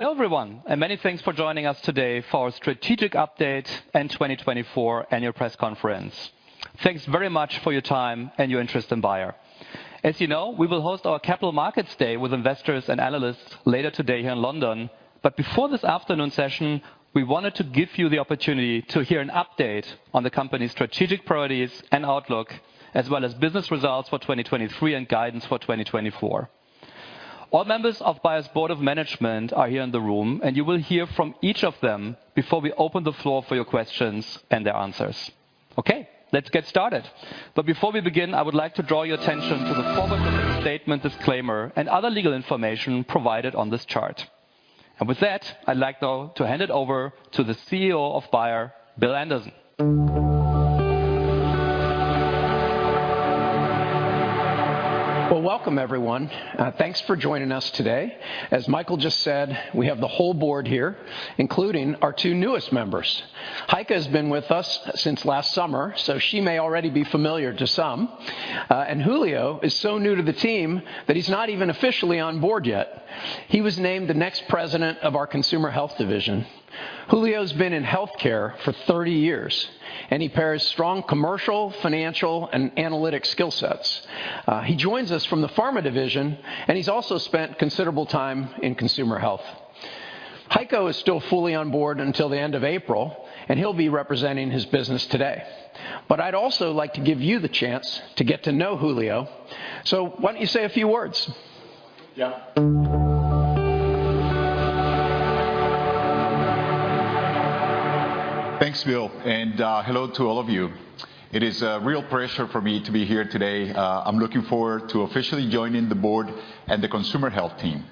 Hello, everyone, and many thanks for joining us today for our strategic update and 2024 annual press conference. Thanks very much for your time and your interest in Bayer. As you know, we will host our Capital Markets Day with investors and analysts later today here in London. Before this afternoon session, we wanted to give you the opportunity to hear an update on the company's strategic priorities and outlook, as well as business results for 2023 and guidance for 2024. All members of Bayer's Board of Management are here in the room, and you will hear from each of them before we open the floor for your questions and their answers. Okay, let's get started. Before we begin, I would like to draw your attention to the forward-looking statement disclaimer and other legal information provided on this chart. With that, I'd like now to hand it over to the CEO of Bayer, Bill Anderson. Well, welcome, everyone. Thanks for joining us today. As Michael just said, we have the whole board here, including our two newest members. Heike has been with us since last summer, so she may already be familiar to some. Julio is so new to the team that he's not even officially on board yet. He was named the next president of our Consumer Health division. Julio's been in healthcare for 30 years, and he pairs strong commercial, financial, and analytic skill sets. He joins us from the Pharma division, and he's also spent considerable time in Consumer Health. Heiko is still fully on board until the end of April, and he'll be representing his business today. But I'd also like to give you the chance to get to know Julio, so why don't you say a few words? Yeah. Thanks, Bill, and hello to all of you. It is a real pleasure for me to be here today. I'm looking forward to officially joining the board and the Consumer Health team.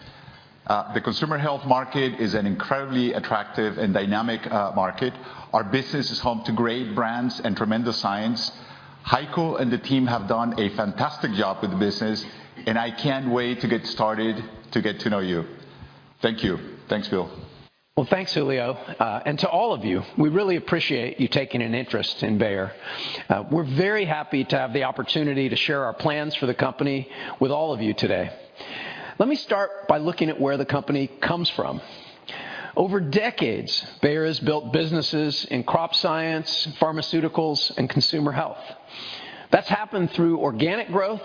The Consumer Health market is an incredibly attractive and dynamic market. Our business is home to great brands and tremendous science. Heiko and the team have done a fantastic job with the business, and I can't wait to get started to get to know you. Thank you. Thanks, Bill. Well, thanks, Julio. And to all of you, we really appreciate you taking an interest in Bayer. We're very happy to have the opportunity to share our plans for the company with all of you today. Let me start by looking at where the company comes from. Over decades, Bayer has built businesses in Crop Science, Pharmaceuticals, and Consumer Health. That's happened through organic growth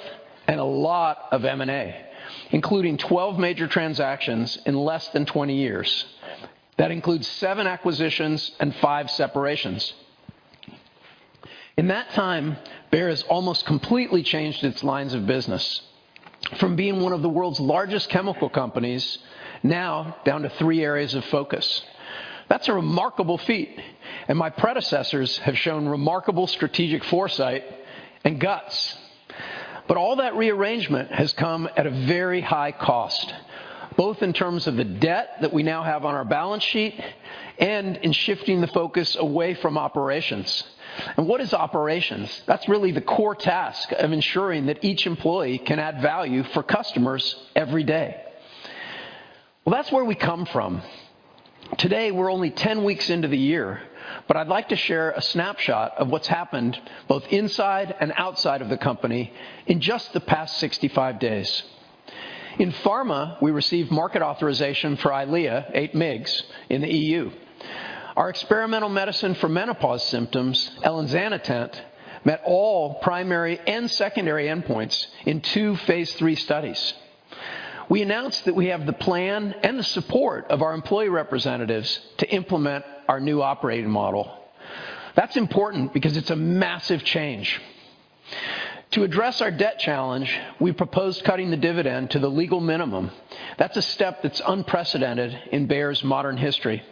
and a lot of M&A, including 12 major transactions in less than 20 years. That includes seven acquisitions and five separations. In that time, Bayer has almost completely changed its lines of business from being one of the world's largest chemical companies, now down to three areas of focus. That's a remarkable feat, and my predecessors have shown remarkable strategic foresight and guts. But all that rearrangement has come at a very high cost, both in terms of the debt that we now have on our balance sheet and in shifting the focus away from operations. What is operations? That's really the core task of ensuring that each employee can add value for customers every day. Well, that's where we come from. Today, we're only 10 weeks into the year, but I'd like to share a snapshot of what's happened, both inside and outside of the company, in just the past 65 days. In Pharma, we received market authorization for EYLEA 8 mg in the EU. Our experimental medicine for menopause symptoms, elinzanetant, met all primary and secondary endpoints in two phase III studies. We announced that we have the plan and the support of our employee representatives to implement our new operating model. That's important because it's a massive change. To address our debt challenge, we proposed cutting the dividend to the legal minimum. That's a step that's unprecedented in Bayer's modern history.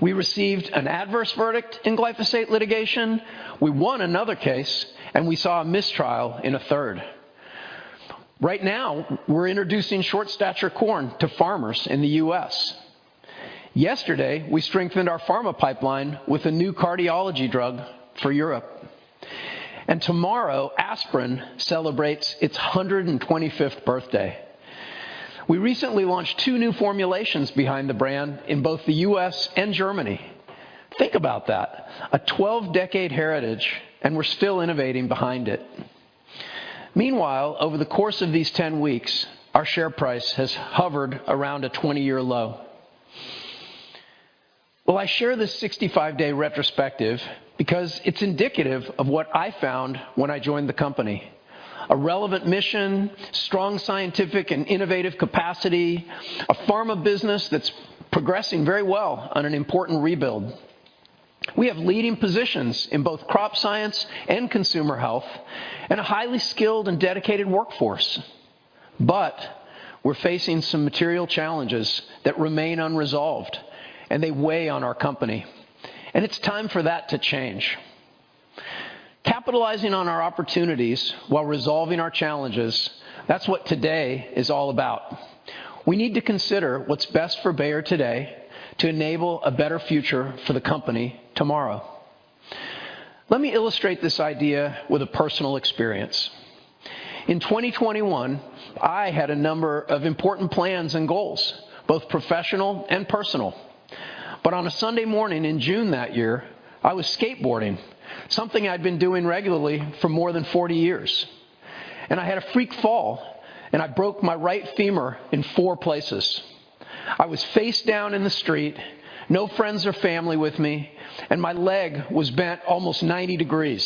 We received an adverse verdict in glyphosate litigation, we won another case, and we saw a mistrial in a third. Right now, we're introducing short stature corn to farmers in the U.S. Yesterday, we strengthened our Pharma pipeline with a new cardiology drug for Europe. And tomorrow, Aspirin celebrates its 125th birthday. We recently launched two new formulations behind the brand in both the U.S. and Germany. Think about that, a 12-decade heritage, and we're still innovating behind it. Meanwhile, over the course of these 10 weeks, our share price has hovered around a 20-year low. Well, I share this 65-day retrospective because it's indicative of what I found when I joined the company: a relevant mission, strong scientific and innovative capacity, a Pharma business that's progressing very well on an important rebuild. We have leading positions in both Crop Science and Consumer Health, and a highly skilled and dedicated workforce. But we're facing some material challenges that remain unresolved, and they weigh on our company, and it's time for that to change. Capitalizing on our opportunities while resolving our challenges, that's what today is all about. We need to consider what's best for Bayer today to enable a better future for the company tomorrow. Let me illustrate this idea with a personal experience. In 2021, I had a number of important plans and goals, both professional and personal. But on a Sunday morning in June that year, I was skateboarding, something I'd been doing regularly for more than 40 years... and I had a freak fall, and I broke my right femur in 4 places. I was face down in the street, no friends or family with me, and my leg was bent almost 90 degrees,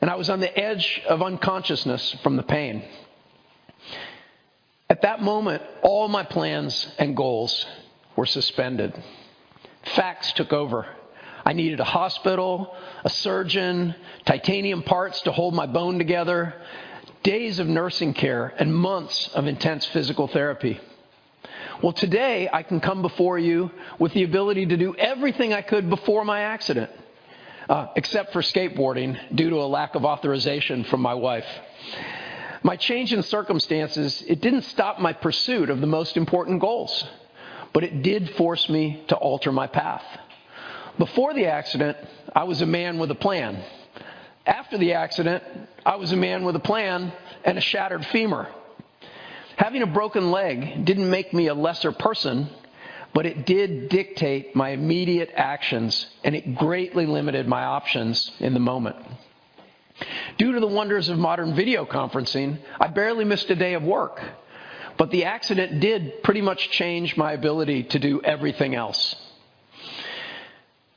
and I was on the edge of unconsciousness from the pain. At that moment, all my plans and goals were suspended. Facts took over. I needed a hospital, a surgeon, titanium parts to hold my bone together, days of nursing care, and months of intense physical therapy. Well, today, I can come before you with the ability to do everything I could before my accident, except for skateboarding, due to a lack of authorization from my wife. My change in circumstances, it didn't stop my pursuit of the most important goals, but it did force me to alter my path. Before the accident, I was a man with a plan. After the accident, I was a man with a plan and a shattered femur. Having a broken leg didn't make me a lesser person, but it did dictate my immediate actions, and it greatly limited my options in the moment. Due to the wonders of modern video conferencing, I barely missed a day of work, but the accident did pretty much change my ability to do everything else.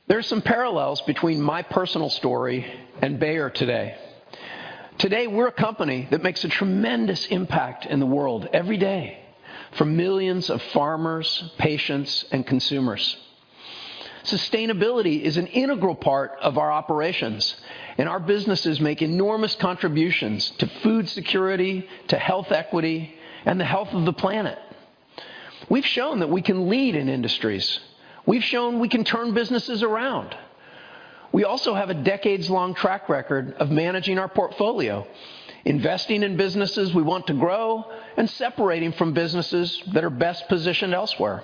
There are some parallels between my personal story and Bayer today. Today, we're a company that makes a tremendous impact in the world every day for millions of farmers, patients, and consumers. Sustainability is an integral part of our operations, and our businesses make enormous contributions to food security, to health equity, and the health of the planet. We've shown that we can lead in industries. We've shown we can turn businesses around. We also have a decades-long track record of managing our portfolio, investing in businesses we want to grow, and separating from businesses that are best positioned elsewhere.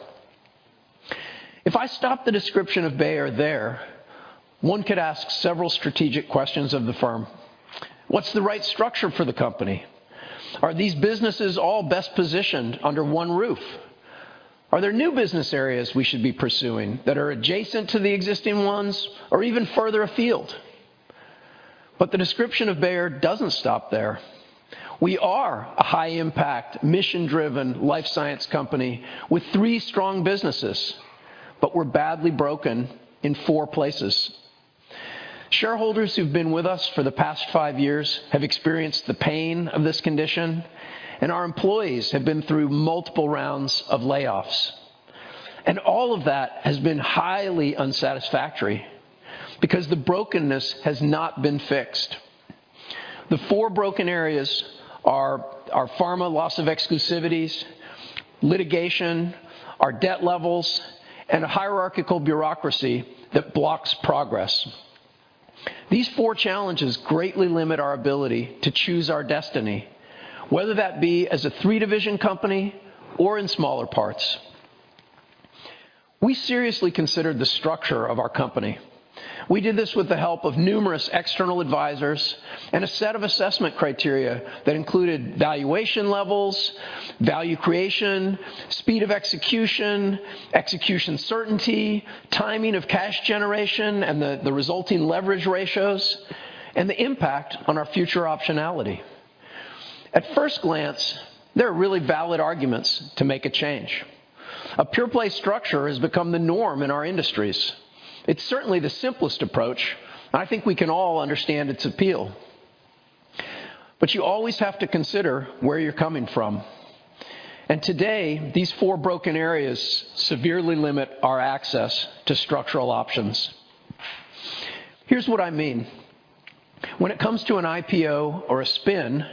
If I stop the description of Bayer there, one could ask several strategic questions of the firm. What's the right structure for the company? Are these businesses all best positioned under one roof? Are there new business areas we should be pursuing that are adjacent to the existing ones or even further afield? But the description of Bayer doesn't stop there. We are a high-impact, mission-driven life science company with three strong businesses, but we're badly broken in four places. Shareholders who've been with us for the past five years have experienced the pain of this condition, and our employees have been through multiple rounds of layoffs. All of that has been highly unsatisfactory because the brokenness has not been fixed. The four broken areas are our Pharma loss of exclusivities, litigation, our debt levels, and a hierarchical bureaucracy that blocks progress. These four challenges greatly limit our ability to choose our destiny, whether that be as a three-division company or in smaller parts. We seriously considered the structure of our company. We did this with the help of numerous external advisors and a set of assessment criteria that included valuation levels, value creation, speed of execution, execution certainty, timing of cash generation, and the resulting leverage ratios, and the impact on our future optionality. At first glance, there are really valid arguments to make a change. A pure-play structure has become the norm in our industries. It's certainly the simplest approach. I think we can all understand its appeal. But you always have to consider where you're coming from, and today, these four broken areas severely limit our access to structural options. Here's what I mean. When it comes to an IPO or a spin,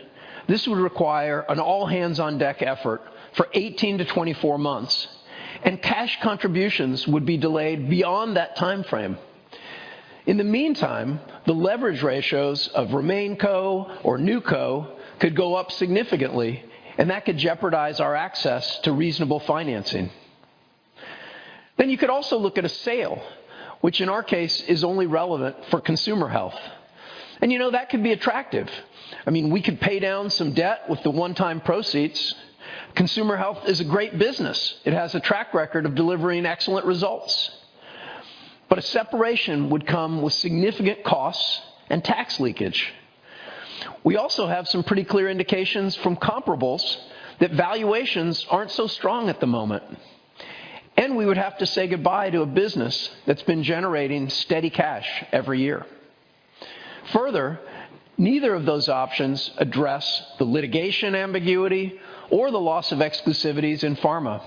this would require an all-hands-on-deck effort for 18-24 months, and cash contributions would be delayed beyond that timeframe. In the meantime, the leverage ratios of RemainCo or NewCo could go up significantly, and that could jeopardize our access to reasonable financing. Then you could also look at a sale, which in our case, is only relevant for Consumer Health. And, you know, that could be attractive. I mean, we could pay down some debt with the one-time proceeds. Consumer Health is a great business. It has a track record of delivering excellent results. But a separation would come with significant costs and tax leakage. We also have some pretty clear indications from comparables that valuations aren't so strong at the moment, and we would have to say goodbye to a business that's been generating steady cash every year. Further, neither of those options address the litigation ambiguity or the loss of exclusivities in Pharma.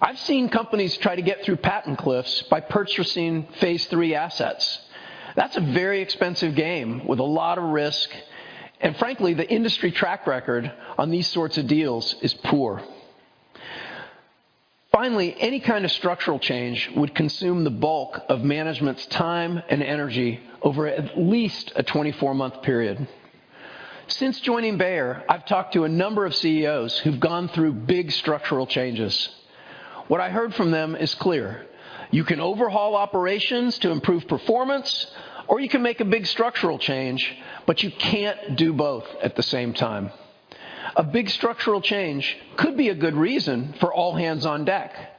I've seen companies try to get through patent cliffs by purchasing phase III assets. That's a very expensive game with a lot of risk, and frankly, the industry track record on these sorts of deals is poor. Finally, any kind of structural change would consume the bulk of management's time and energy over at least a 24-month period. Since joining Bayer, I've talked to a number of CEOs who've gone through big structural changes. What I heard from them is clear: You can overhaul operations to improve performance, or you can make a big structural change, but you can't do both at the same time. A big structural change could be a good reason for all hands on deck...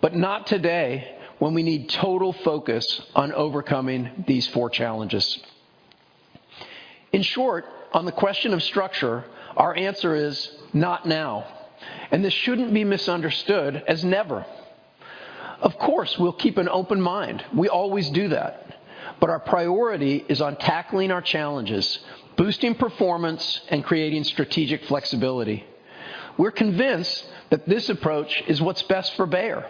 But not today, when we need total focus on overcoming these four challenges. In short, on the question of structure, our answer is not now, and this shouldn't be misunderstood as never. Of course, we'll keep an open mind. We always do that, but our priority is on tackling our challenges, boosting performance, and creating strategic flexibility. We're convinced that this approach is what's best for Bayer.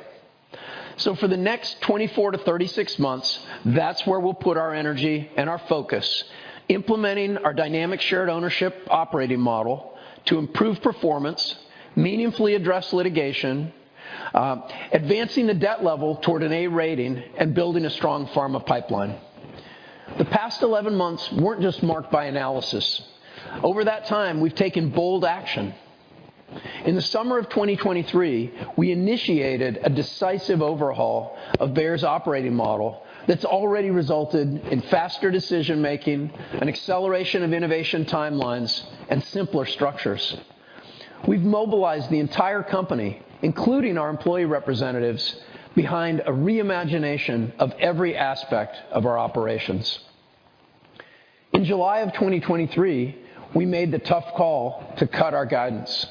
So for the next 24-36 months, that's where we'll put our energy and our focus: implementing our dynamic shared ownership operating model to improve performance, meaningfully address litigation, advancing the debt level toward an A rating, and building a strong Pharma pipeline. The past 11 months weren't just marked by analysis. Over that time, we've taken bold action. In the summer of 2023, we initiated a decisive overhaul of Bayer's operating model that's already resulted in faster decision-making, an acceleration of innovation timelines, and simpler structures. We've mobilized the entire company, including our employee representatives, behind a reimagination of every aspect of our operations. In July of 2023, we made the tough call to cut our guidance.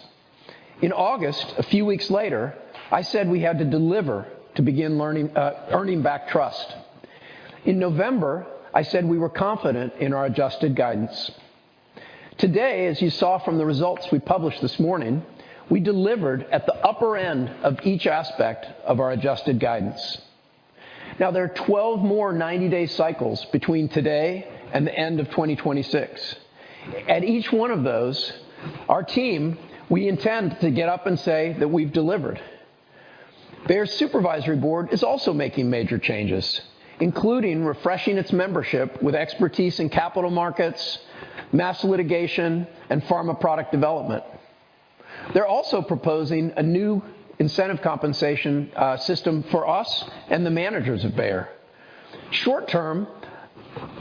In August, a few weeks later, I said we had to deliver to begin learning, earning back trust. In November, I said we were confident in our adjusted guidance. Today, as you saw from the results we published this morning, we delivered at the upper end of each aspect of our adjusted guidance. Now, there are 12 more ninety-day cycles between today and the end of 2026. At each one of those, our team, we intend to get up and say that we've delivered. Bayer Supervisory Board is also making major changes, including refreshing its membership with expertise in capital markets, mass litigation, and Pharma product development. They're also proposing a new incentive compensation system for us and the managers of Bayer. Short term,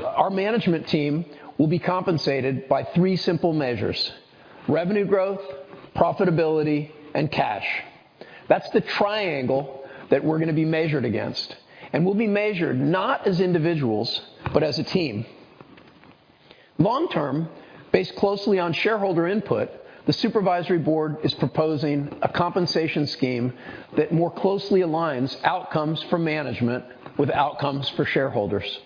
our management team will be compensated by three simple measures: revenue growth, profitability, and cash. That's the triangle that we're going to be measured against, and we'll be measured not as individuals, but as a team. Long-term, based closely on shareholder input, the Supervisory Board is proposing a compensation scheme that more closely aligns outcomes for management with outcomes for shareholders.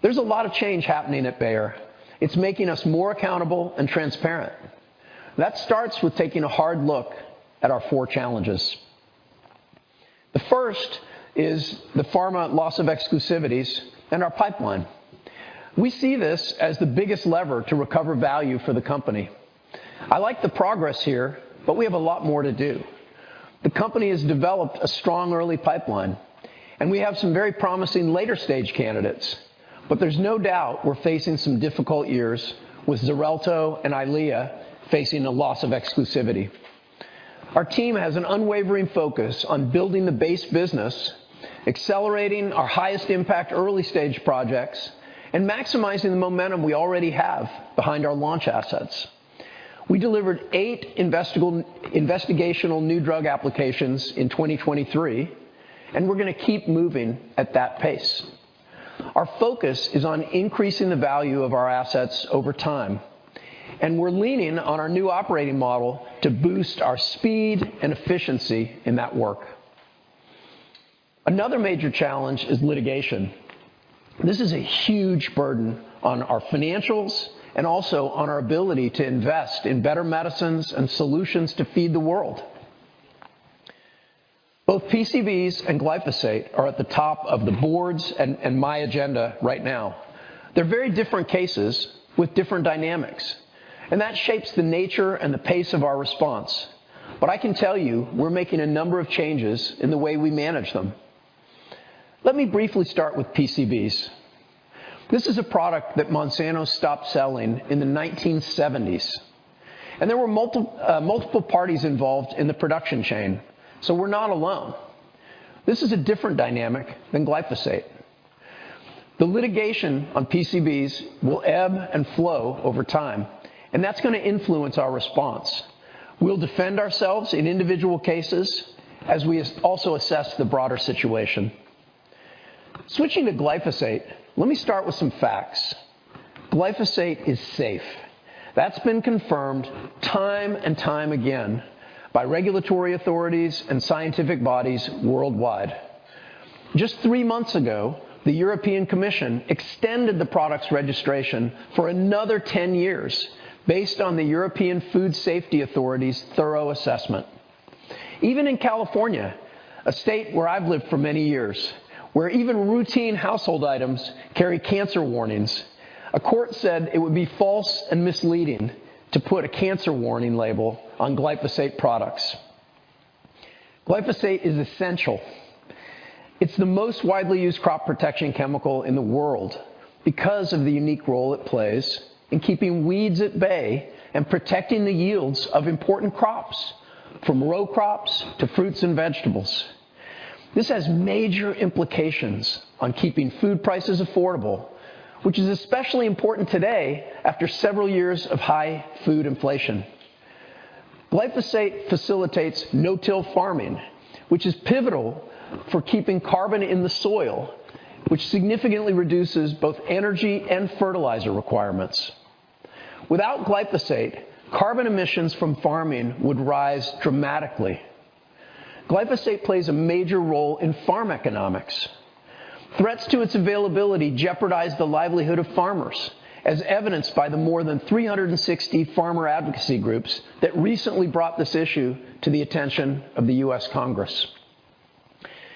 There's a lot of change happening at Bayer. It's making us more accountable and transparent. That starts with taking a hard look at our four challenges. The first is the Pharma loss of exclusivities and our pipeline. We see this as the biggest lever to recover value for the company. I like the progress here, but we have a lot more to do. The company has developed a strong early pipeline, and we have some very promising later-stage candidates, but there's no doubt we're facing some difficult years with Xarelto and EYLEA facing a loss of exclusivity. Our team has an unwavering focus on building the base business, accelerating our highest impact early-stage projects, and maximizing the momentum we already have behind our launch assets. We delivered eight investigational new drug applications in 2023, and we're going to keep moving at that pace. Our focus is on increasing the value of our assets over time, and we're leaning on our new operating model to boost our speed and efficiency in that work. Another major challenge is litigation. This is a huge burden on our financials and also on our ability to invest in better medicines and solutions to feed the world. Both PCBs and glyphosate are at the top of the boards and my agenda right now. They're very different cases with different dynamics, and that shapes the nature and the pace of our response. But I can tell you, we're making a number of changes in the way we manage them. Let me briefly start with PCBs. This is a product that Monsanto stopped selling in the 1970s, and there were multiple, multiple parties involved in the production chain, so we're not alone. This is a different dynamic than glyphosate. The litigation on PCBs will ebb and flow over time, and that's going to influence our response. We'll defend ourselves in individual cases as we also assess the broader situation. Switching to glyphosate, let me start with some facts. Glyphosate is safe. That's been confirmed time and time again by regulatory authorities and scientific bodies worldwide. Just three months ago, the European Commission extended the product's registration for another 10 years based on the European Food Safety Authority's thorough assessment. Even in California, a state where I've lived for many years, where even routine household items carry cancer warnings, a court said it would be false and misleading to put a cancer warning label on glyphosate products. Glyphosate is essential. It's the most widely used crop protection chemical in the world because of the unique role it plays in keeping weeds at bay and protecting the yields of important crops, from row crops to fruits and vegetables.... This has major implications on keeping food prices affordable, which is especially important today after several years of high food inflation. Glyphosate facilitates no-till farming, which is pivotal for keeping carbon in the soil, which significantly reduces both energy and fertilizer requirements. Without glyphosate, carbon emissions from farming would rise dramatically. Glyphosate plays a major role in farm economics. Threats to its availability jeopardize the livelihood of farmers, as evidenced by the more than 360 farmer advocacy groups that recently brought this issue to the attention of the U.S. Congress.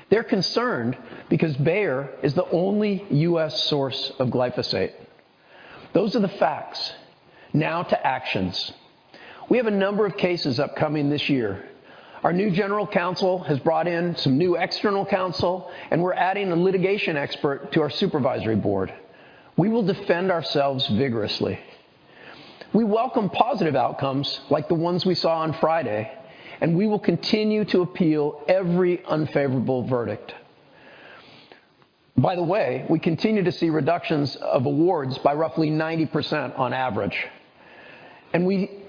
They're concerned because Bayer is the only U.S. source of glyphosate. Those are the facts. Now to actions. We have a number of cases upcoming this year. Our new general counsel has brought in some new external counsel, and we're adding a litigation expert to our Supervisory Board. We will defend ourselves vigorously. We welcome positive outcomes like the ones we saw on Friday, and we will continue to appeal every unfavorable verdict. By the way, we continue to see reductions of awards by roughly 90% on average, and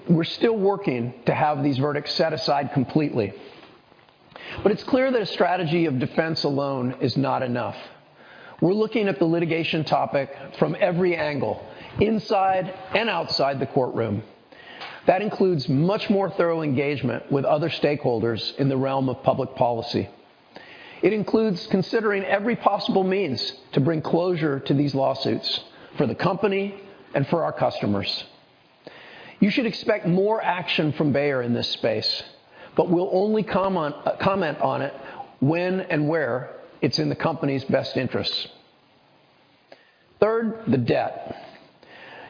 we're still working to have these verdicts set aside completely. It's clear that a strategy of defense alone is not enough. We're looking at the litigation topic from every angle, inside and outside the courtroom. That includes much more thorough engagement with other stakeholders in the realm of public policy. It includes considering every possible means to bring closure to these lawsuits for the company and for our customers. You should expect more action from Bayer in this space, but we'll only comment on it when and where it's in the company's best interests. Third, the debt.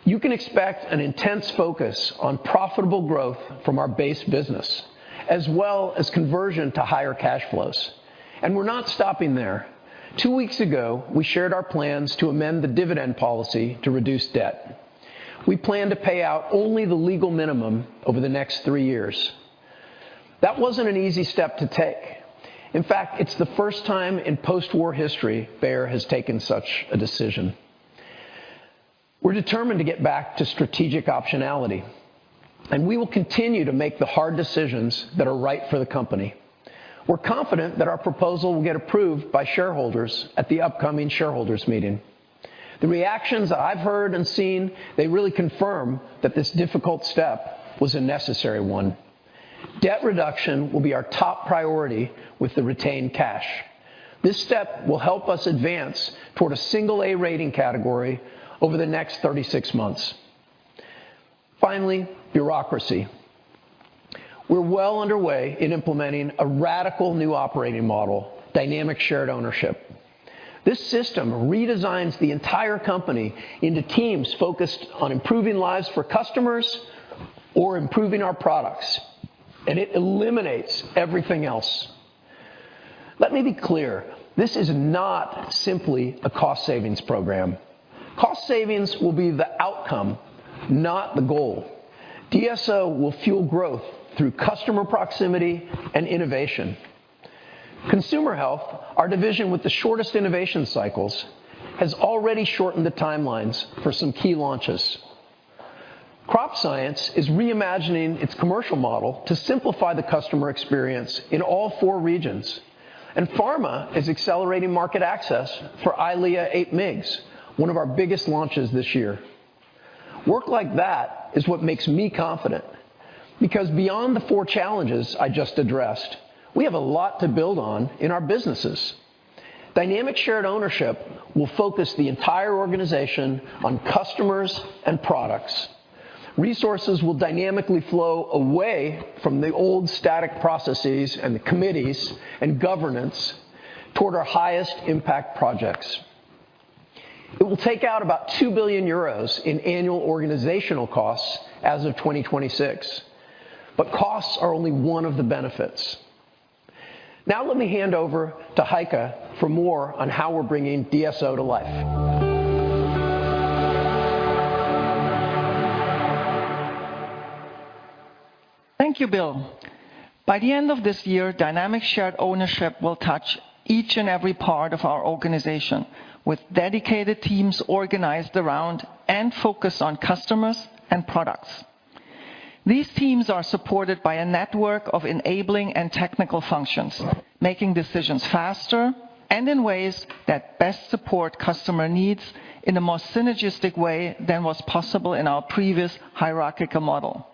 You can expect an intense focus on profitable growth from our base business, as well as conversion to higher cash flows, and we're not stopping there. Two weeks ago, we shared our plans to amend the dividend policy to reduce debt. We plan to pay out only the legal minimum over the next three years. That wasn't an easy step to take. In fact, it's the first time in post-war history Bayer has taken such a decision. We're determined to get back to strategic optionality, and we will continue to make the hard decisions that are right for the company. We're confident that our proposal will get approved by shareholders at the upcoming shareholders meeting. The reactions I've heard and seen, they really confirm that this difficult step was a necessary one. Debt reduction will be our top priority with the retained cash. This step will help us advance toward a single A rating category over the next 36 months. Finally, bureaucracy. We're well underway in implementing a radical new operating model, Dynamic Shared Ownership. This system redesigns the entire company into teams focused on improving lives for customers or improving our products, and it eliminates everything else. Let me be clear, this is not simply a cost savings program. Cost savings will be the outcome, not the goal. DSO will fuel growth through customer proximity and innovation. Consumer Health, our division with the shortest innovation cycles, has already shortened the timelines for some key launches. Crop Science is reimagining its commercial model to simplify the customer experience in all four regions, and Pharma is accelerating market access for EYLEA 8 mg, one of our biggest launches this year. Work like that is what makes me confident, because beyond the four challenges I just addressed, we have a lot to build on in our businesses. Dynamic Shared Ownership will focus the entire organization on customers and products. Resources will dynamically flow away from the old static processes and the committees and governance toward our highest impact projects. It will take out about 2 billion euros in annual organizational costs as of 2026, but costs are only one of the benefits. Now, let me hand over to Heike for more on how we're bringing DSO to life. Thank you, Bill. By the end of this year, Dynamic Shared Ownership will touch each and every part of our organization, with dedicated teams organized around and focused on customers and products. These teams are supported by a network of enabling and technical functions, making decisions faster and in ways that best support customer needs in a more synergistic way than was possible in our previous hierarchical model.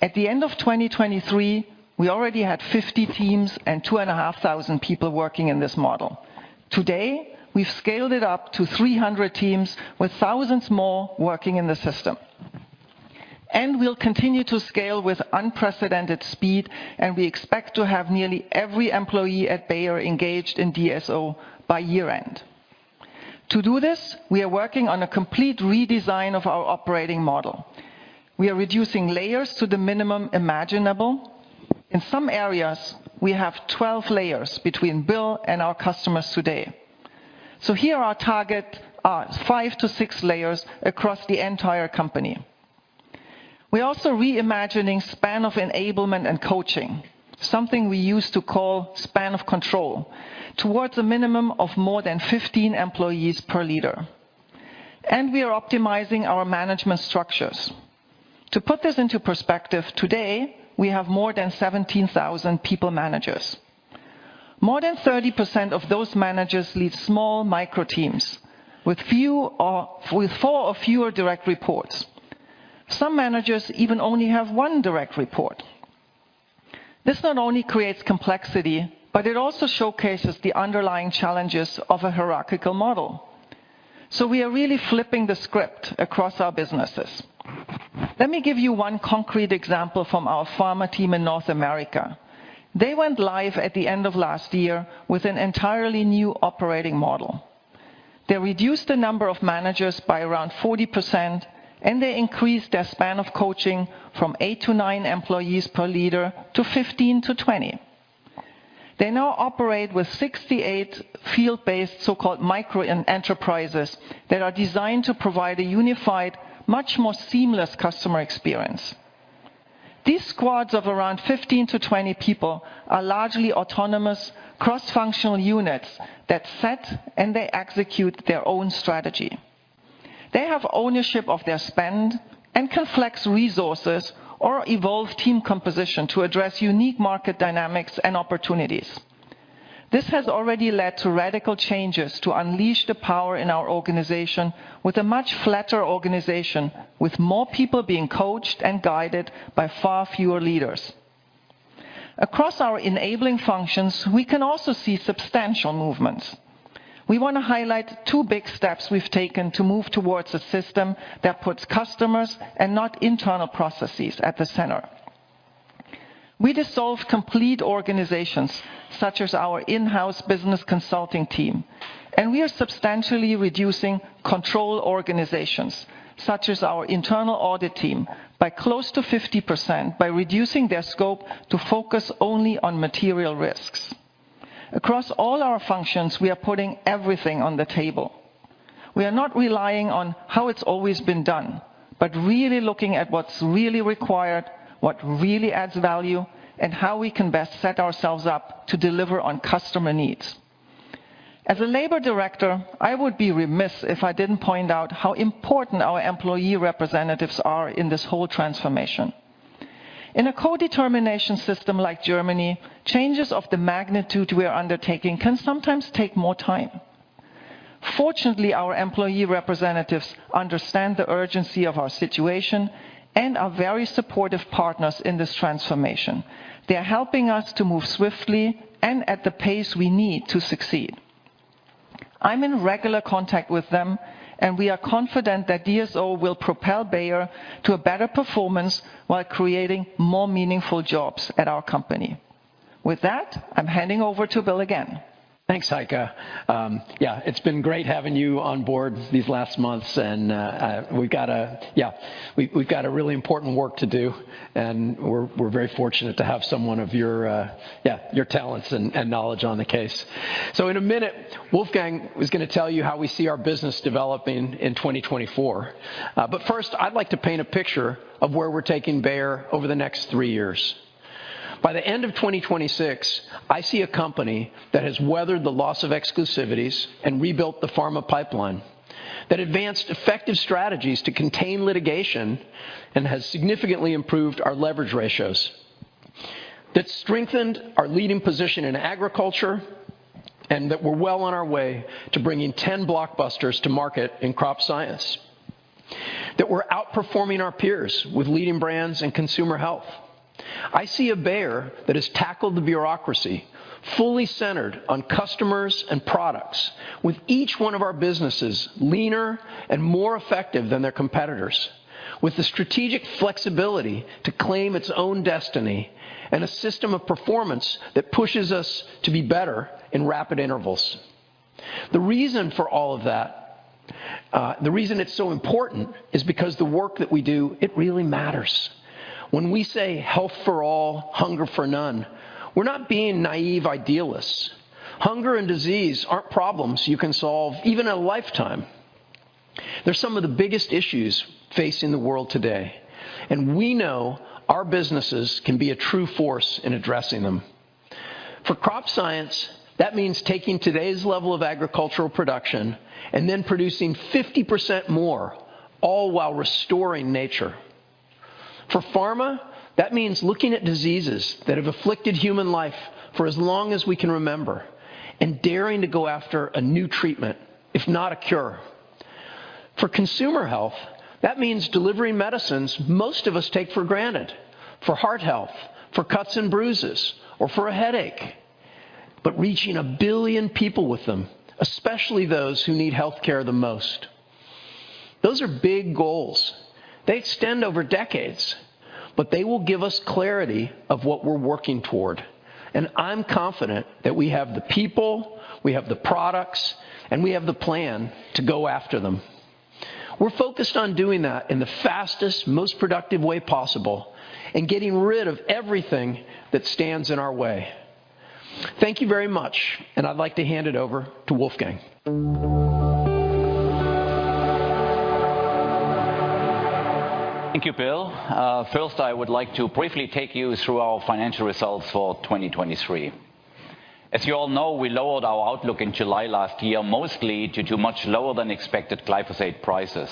At the end of 2023, we already had 50 teams and 2,500 people working in this model. Today, we've scaled it up to 300 teams with thousands more working in the system, and we'll continue to scale with unprecedented speed, and we expect to have nearly every employee at Bayer engaged in DSO by year-end. To do this, we are working on a complete redesign of our operating model. We are reducing layers to the minimum imaginable. In some areas, we have 12 layers between Bill and our customers today. So here, our target are 5-6 layers across the entire company.... We're also reimagining span of enablement and coaching, something we used to call span of control, towards a minimum of more than 15 employees per leader, and we are optimizing our management structures. To put this into perspective, today, we have more than 17,000 people managers. More than 30% of those managers lead small micro teams with few or with 4 or fewer direct reports. Some managers even only have one direct report. This not only creates complexity, but it also showcases the underlying challenges of a hierarchical model. So we are really flipping the script across our businesses. Let me give you one concrete example from our Pharma team in North America. They went live at the end of last year with an entirely new operating model. They reduced the number of managers by around 40%, and they increased their span of coaching from 8-9 employees per leader to 15-20. They now operate with 68 field-based so-called micro enterprises that are designed to provide a unified, much more seamless customer experience. These squads of around 15-20 people are largely autonomous, cross-functional units that set and they execute their own strategy. They have ownership of their spend and can flex resources or evolve team composition to address unique market dynamics and opportunities. This has already led to radical changes to unleash the power in our organization with a much flatter organization, with more people being coached and guided by far fewer leaders. Across our enabling functions, we can also see substantial movements. We want to highlight two big steps we've taken to move towards a system that puts customers and not internal processes at the center. We dissolve complete organizations, such as our in-house business consulting team, and we are substantially reducing control organizations, such as our internal audit team, by close to 50% by reducing their scope to focus only on material risks. Across all our functions, we are putting everything on the table. We are not relying on how it's always been done, but really looking at what's really required, what really adds value, and how we can best set ourselves up to deliver on customer needs. As a labor director, I would be remiss if I didn't point out how important our employee representatives are in this whole transformation. In a Co-determination system like Germany, changes of the magnitude we are undertaking can sometimes take more time. Fortunately, our employee representatives understand the urgency of our situation and are very supportive partners in this transformation. They are helping us to move swiftly and at the pace we need to succeed. I'm in regular contact with them, and we are confident that DSO will propel Bayer to a better performance while creating more meaningful jobs at our company. With that, I'm handing over to Bill again. Thanks, Heike. Yeah, it's been great having you on board these last months, and we got a really important work to do, and we're very fortunate to have someone of your talents and knowledge on the case. So in a minute, Wolfgang is gonna tell you how we see our business developing in 2024. But first, I'd like to paint a picture of where we're taking Bayer over the next three years. By the end of 2026, I see a company that has weathered the loss of exclusivities and rebuilt the Pharma pipeline, that advanced effective strategies to contain litigation and has significantly improved our leverage ratios, that strengthened our leading position in agriculture, and that we're well on our way to bringing 10 blockbusters to market in Crop Science, that we're outperforming our peers with leading brands in Consumer Health. I see a Bayer that has tackled the bureaucracy, fully centered on customers and products, with each one of our businesses leaner and more effective than their competitors, with the strategic flexibility to claim its own destiny and a system of performance that pushes us to be better in rapid intervals. The reason for all of that, the reason it's so important, is because the work that we do, it really matters. When we say, "Health for all, hunger for none," we're not being naive idealists. Hunger and disease aren't problems you can solve even in a lifetime. They're some of the biggest issues facing the world today, and we know our businesses can be a true force in addressing them. For Crop Science, that means taking today's level of agricultural production and then producing 50% more, all while restoring nature. For Pharma, that means looking at diseases that have afflicted human life for as long as we can remember and daring to go after a new treatment, if not a cure. For Consumer Health, that means delivering medicines most of us take for granted, for heart health, for cuts and bruises, or for a headache, but reaching 1 billion people with them, especially those who need healthcare the most. Those are big goals. They extend over decades, but they will give us clarity of what we're working toward, and I'm confident that we have the people, we have the products, and we have the plan to go after them. We're focused on doing that in the fastest, most productive way possible and getting rid of everything that stands in our way... Thank you very much, and I'd like to hand it over to Wolfgang. Thank you, Bill. First, I would like to briefly take you through our financial results for 2023. As you all know, we lowered our outlook in July last year, mostly due to much lower than expected glyphosate prices.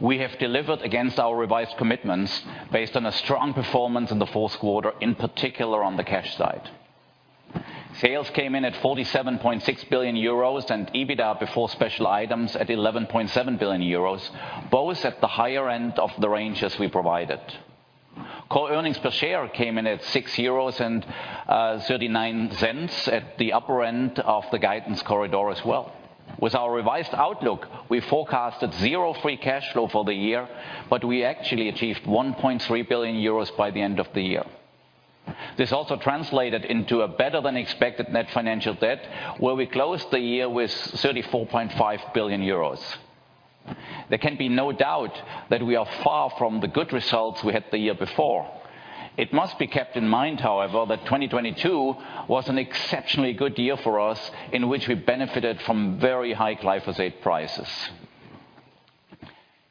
We have delivered against our revised commitments based on a strong performance in the fourth quarter, in particular on the cash side. Sales came in at 47.6 billion euros, and EBITDA before special items at 11.7 billion euros, both at the higher end of the ranges we provided. Core earnings per share came in at 6.39 euros at the upper end of the guidance corridor as well. With our revised outlook, we forecasted 0 free cash flow for the year, but we actually achieved 1.3 billion euros by the end of the year. This also translated into a better-than-expected net financial debt, where we closed the year with 34.5 billion euros. There can be no doubt that we are far from the good results we had the year before. It must be kept in mind, however, that 2022 was an exceptionally good year for us, in which we benefited from very high glyphosate prices.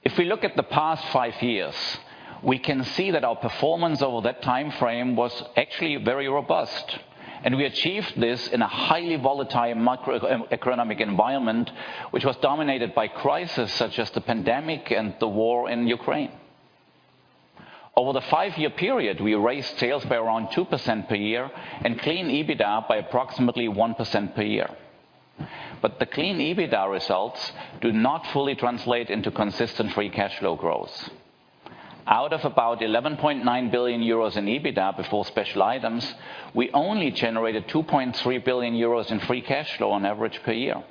If we look at the past five years, we can see that our performance over that time frame was actually very robust, and we achieved this in a highly volatile macroeconomic environment, which was dominated by crisis such as the pandemic and the war in Ukraine. Over the five-year period, we raised sales by around 2% per year and clean EBITDA by approximately 1% per year. But the clean EBITDA results do not fully translate into consistent free cash flow growth. Out of about 11.9 billion euros in EBITDA before special items, we only generated 2.3 billion euros in free cash flow on average per year.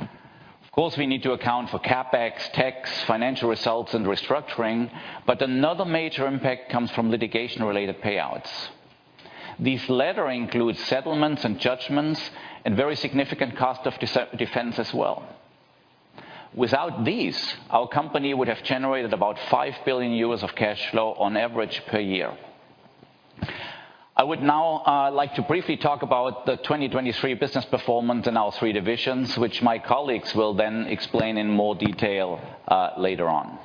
Of course, we need to account for CapEx, tax, financial results, and restructuring, but another major impact comes from litigation-related payouts. These latter include settlements and judgments and very significant cost of defense as well. Without these, our company would have generated about 5 billion euros of cash flow on average per year. I would now like to briefly talk about the 2023 business performance in our three divisions, which my colleagues will then explain in more detail later on.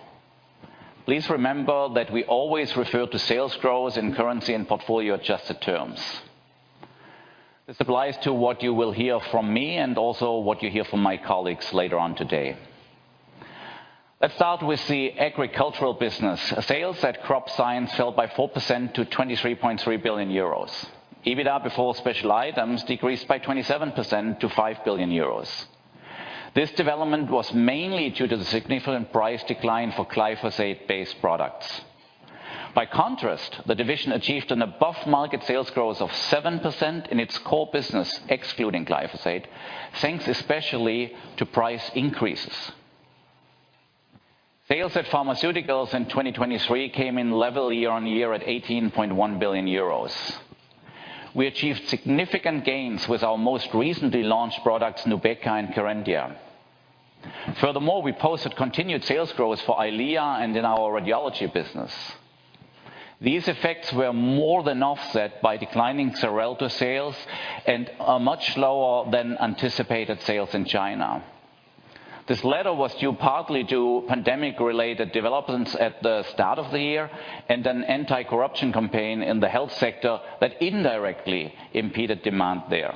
Please remember that we always refer to sales growth in currency and portfolio-adjusted terms. This applies to what you will hear from me and also what you hear from my colleagues later on today. Let's start with the agricultural business. Sales at Crop Science fell by 4% to 23.3 billion euros. EBITDA before special items decreased by 27% to 5 billion euros. This development was mainly due to the significant price decline for glyphosate-based products. By contrast, the division achieved an above-market sales growth of 7% in its core business, excluding glyphosate, thanks especially to price increases. Sales at Pharmaceuticals in 2023 came in level year on year at 18.1 billion euros. We achieved significant gains with our most recently launched products, Nubeqa and Kerendia. Furthermore, we posted continued sales growth for EYLEA and in our radiology business. These effects were more than offset by declining Xarelto sales and much lower than anticipated sales in China. This latter was due partly to pandemic-related developments at the start of the year and an anti-corruption campaign in the health sector that indirectly impeded demand there.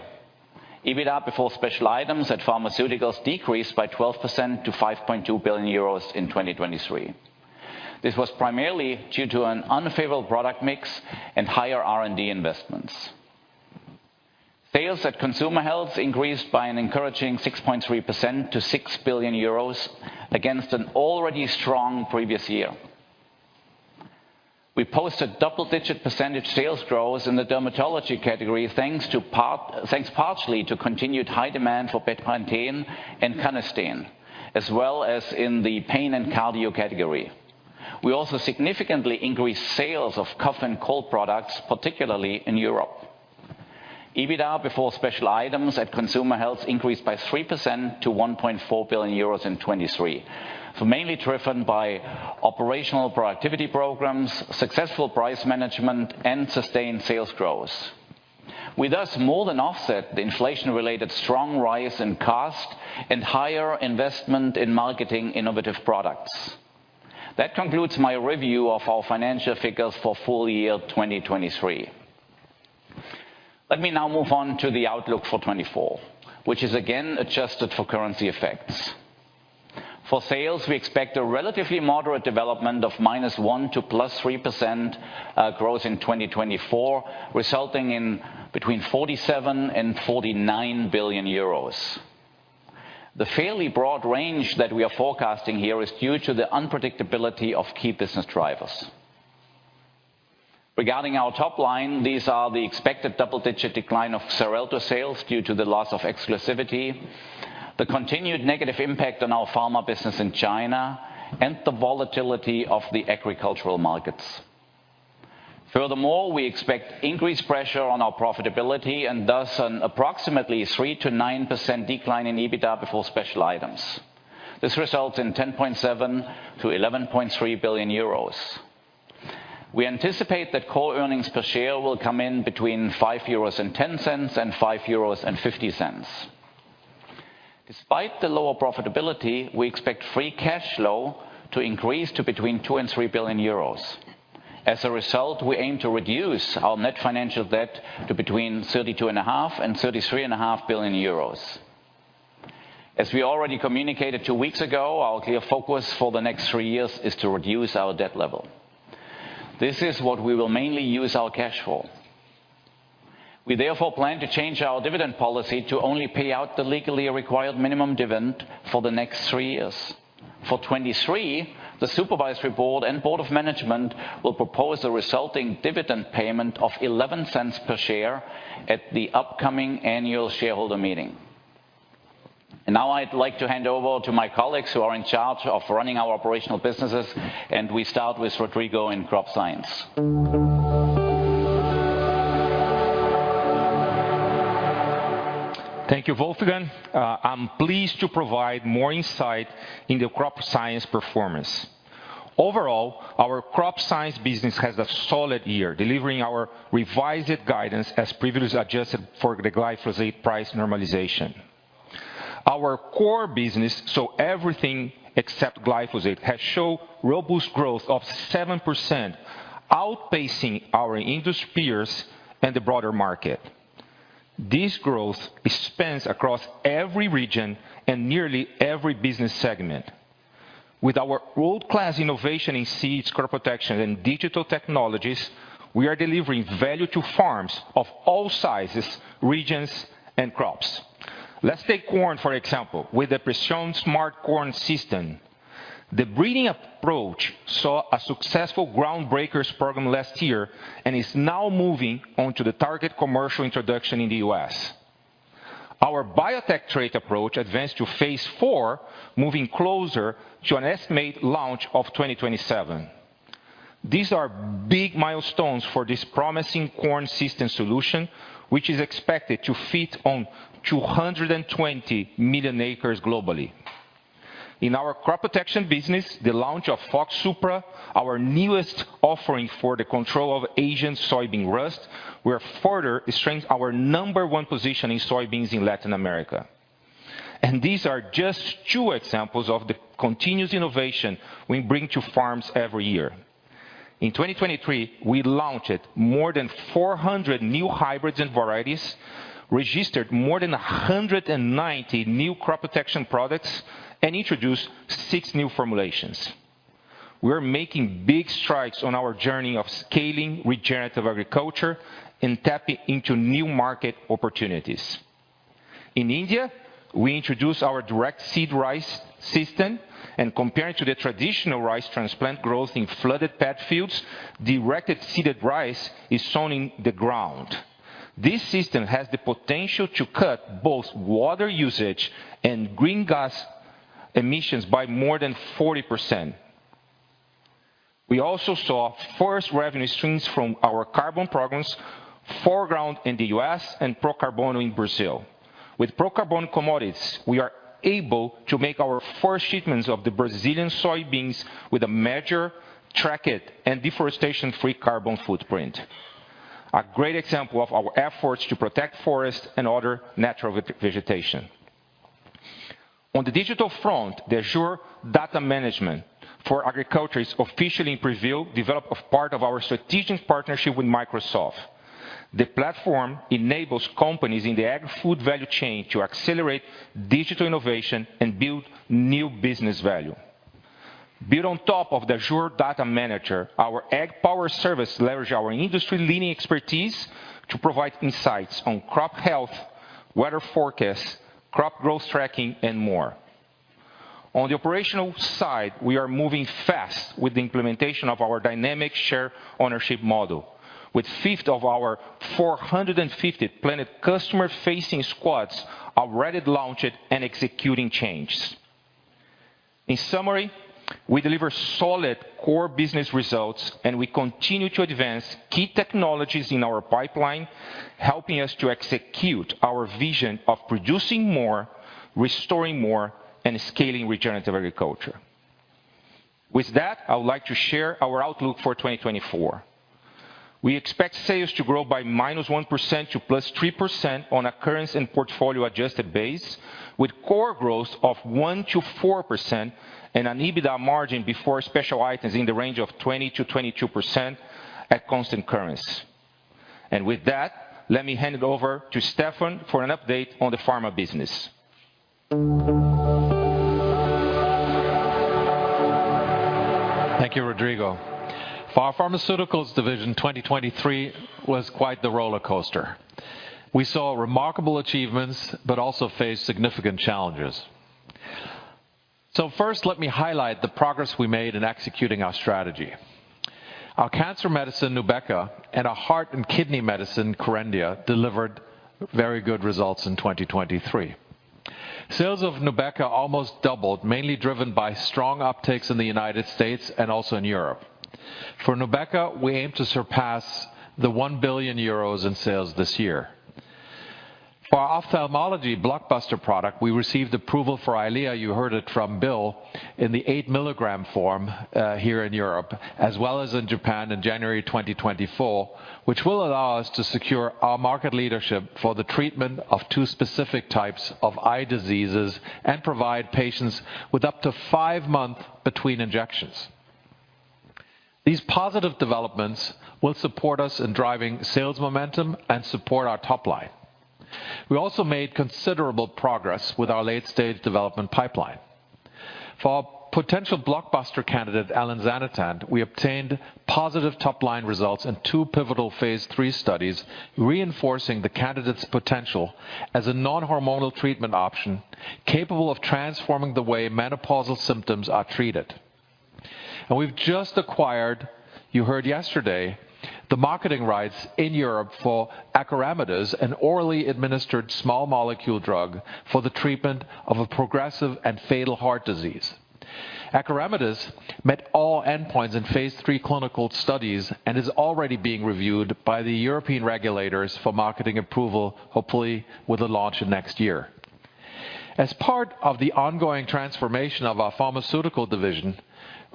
EBITDA before special items at Pharmaceuticals decreased by 12% to 5.2 billion euros in 2023. This was primarily due to an unfavorable product mix and higher R&D investments. Sales at Consumer Health increased by an encouraging 6.3% to 6 billion euros against an already strong previous year. We posted double-digit percentage sales growth in the dermatology category, thanks partially to continued high demand for Bepanthen and Canesten, as well as in the pain and cardio category. We also significantly increased sales of cough and cold products, particularly in Europe. EBITDA before special items at Consumer Health increased by 3% to 1.4 billion euros in 2023, so mainly driven by operational productivity programs, successful price management, and sustained sales growth. We thus more than offset the inflation-related strong rise in cost and higher investment in marketing innovative products. That concludes my review of our financial figures for full year 2023. Let me now move on to the outlook for 2024, which is again adjusted for currency effects. For sales, we expect a relatively moderate development of -1% to +3%, growth in 2024, resulting in between 47 billion and 49 billion euros. The fairly broad range that we are forecasting here is due to the unpredictability of key business drivers. Regarding our top line, these are the expected double-digit decline of Xarelto sales due to the loss of exclusivity, the continued negative impact on our Pharma business in China, and the volatility of the agricultural markets. Furthermore, we expect increased pressure on our profitability and thus an approximately 3%-9% decline in EBITDA before special items. This results in 10.7 billion-11.3 billion euros. We anticipate that core earnings per share will come in between 5.10 euros and 5.50 euros. Despite the lower profitability, we expect free cash flow to increase to between 2 billion and 3 billion euros. As a result, we aim to reduce our net financial debt to between 32.5 billion euros and 33.5 billion euros. As we already communicated two weeks ago, our clear focus for the next three years is to reduce our debt level. This is what we will mainly use our cash for. We therefore plan to change our dividend policy to only pay out the legally required minimum dividend for the next three years. For 2023, the Supervisory Board and Board of Management will propose a resulting dividend payment of 0.11 per share at the upcoming annual shareholder meeting. Now I'd like to hand over to my colleagues who are in charge of running our operational businesses, and we start with Rodrigo in Crop Science. Thank you, Wolfgang. I'm pleased to provide more insight into Crop Science performance. Overall, our Crop Science business has a solid year, delivering our revised guidance as previously adjusted for the glyphosate price normalization. Our core business, so everything except glyphosate, has shown robust growth of 7%, outpacing our industry peers and the broader market. This growth spans across every region and nearly every business segment. With our world-class innovation in seeds, crop protection, and digital technologies, we are delivering value to farms of all sizes, regions, and crops. Let's take corn, for example, with the Preceon Smart Corn System. The breeding approach saw a successful Ground Breakers program last year, and is now moving on to the target commercial introduction in the U.S. Our biotech trait approach advanced to phase IV, moving closer to an estimated launch of 2027. These are big milestones for this promising corn system solution, which is expected to fit on 220 million acres globally. In our crop protection business, the launch of Fox Xpro, our newest offering for the control of Asian soybean rust, will further strengthen our number one position in soybeans in Latin America. These are just two examples of the continuous innovation we bring to farms every year. In 2023, we launched more than 400 new hybrids and varieties, registered more than 190 new crop protection products, and introduced six new formulations. We're making big strides on our journey of scaling regenerative agriculture and tapping into new market opportunities. In India, we introduced our Direct Seeded Rice system, and compared to the traditional rice transplant growth in flooded paddy fields, direct seeded rice is sown in the ground. This system has the potential to cut both water usage and greenhouse gas emissions by more than 40%. We also saw first revenue streams from our carbon programs, ForGround in the U.S. and ProCarbono in Brazil. With ProCarbono Commodities, we are able to make our first shipments of the Brazilian soybeans with a major tracked and deforestation-free carbon footprint. A great example of our efforts to protect forest and other natural vegetation. On the digital front, the Azure Data Manager for Agriculture is officially in preview, developed as part of our strategic partnership with Microsoft. The platform enables companies in the agrifood value chain to accelerate digital innovation and build new business value. Built on top of the Azure Data Manager, our AgPowered Services leverage our industry-leading expertise to provide insights on crop health, weather forecast, crop growth tracking, and more. On the operational side, we are moving fast with the implementation of our Dynamic Shared Ownership model, with a fifth of our 450 plant customer-facing squads already launched and executing changes. In summary, we deliver solid core business results, and we continue to advance key technologies in our pipeline, helping us to execute our vision of producing more, restoring more, and scaling regenerative agriculture. With that, I would like to share our outlook for 2024. We expect sales to grow by -1% to +3% on a currency- and portfolio-adjusted basis, with core growth of 1%-4% and an EBITDA margin before special items in the range of 20%-22% at constant currency. With that, let me hand it over to Stefan for an update on the Pharma business. Thank you, Rodrigo. For our Pharmaceuticals division, 2023 was quite the roller coaster. We saw remarkable achievements, but also faced significant challenges. So first, let me highlight the progress we made in executing our strategy. Our cancer medicine, Nubeqa, and our heart and kidney medicine, Kerendia, delivered very good results in 2023. Sales of Nubeqa almost doubled, mainly driven by strong uptakes in the United States and also in Europe. For Nubeqa, we aim to surpass 1 billion euros in sales this year.... For our ophthalmology blockbuster product, we received approval for EYLEA 8 mg, you heard it from Bill, here in Europe, as well as in Japan in January 2024, which will allow us to secure our market leadership for the treatment of two specific types of eye diseases and provide patients with up to five months between injections. These positive developments will support us in driving sales momentum and support our top line. We also made considerable progress with our late-stage development pipeline. For our potential blockbuster candidate, elinzanetant, we obtained positive top-line results in two pivotal phase III studies, reinforcing the candidate's potential as a non-hormonal treatment option, capable of transforming the way menopausal symptoms are treated. We've just acquired, you heard yesterday, the marketing rights in Europe for acoramidis, an orally administered small molecule drug for the treatment of a progressive and fatal heart disease. Acoramidis met all endpoints in phase III clinical studies and is already being reviewed by the European regulators for marketing approval, hopefully with a launch in next year. As part of the ongoing transformation of our Pharmaceutical division,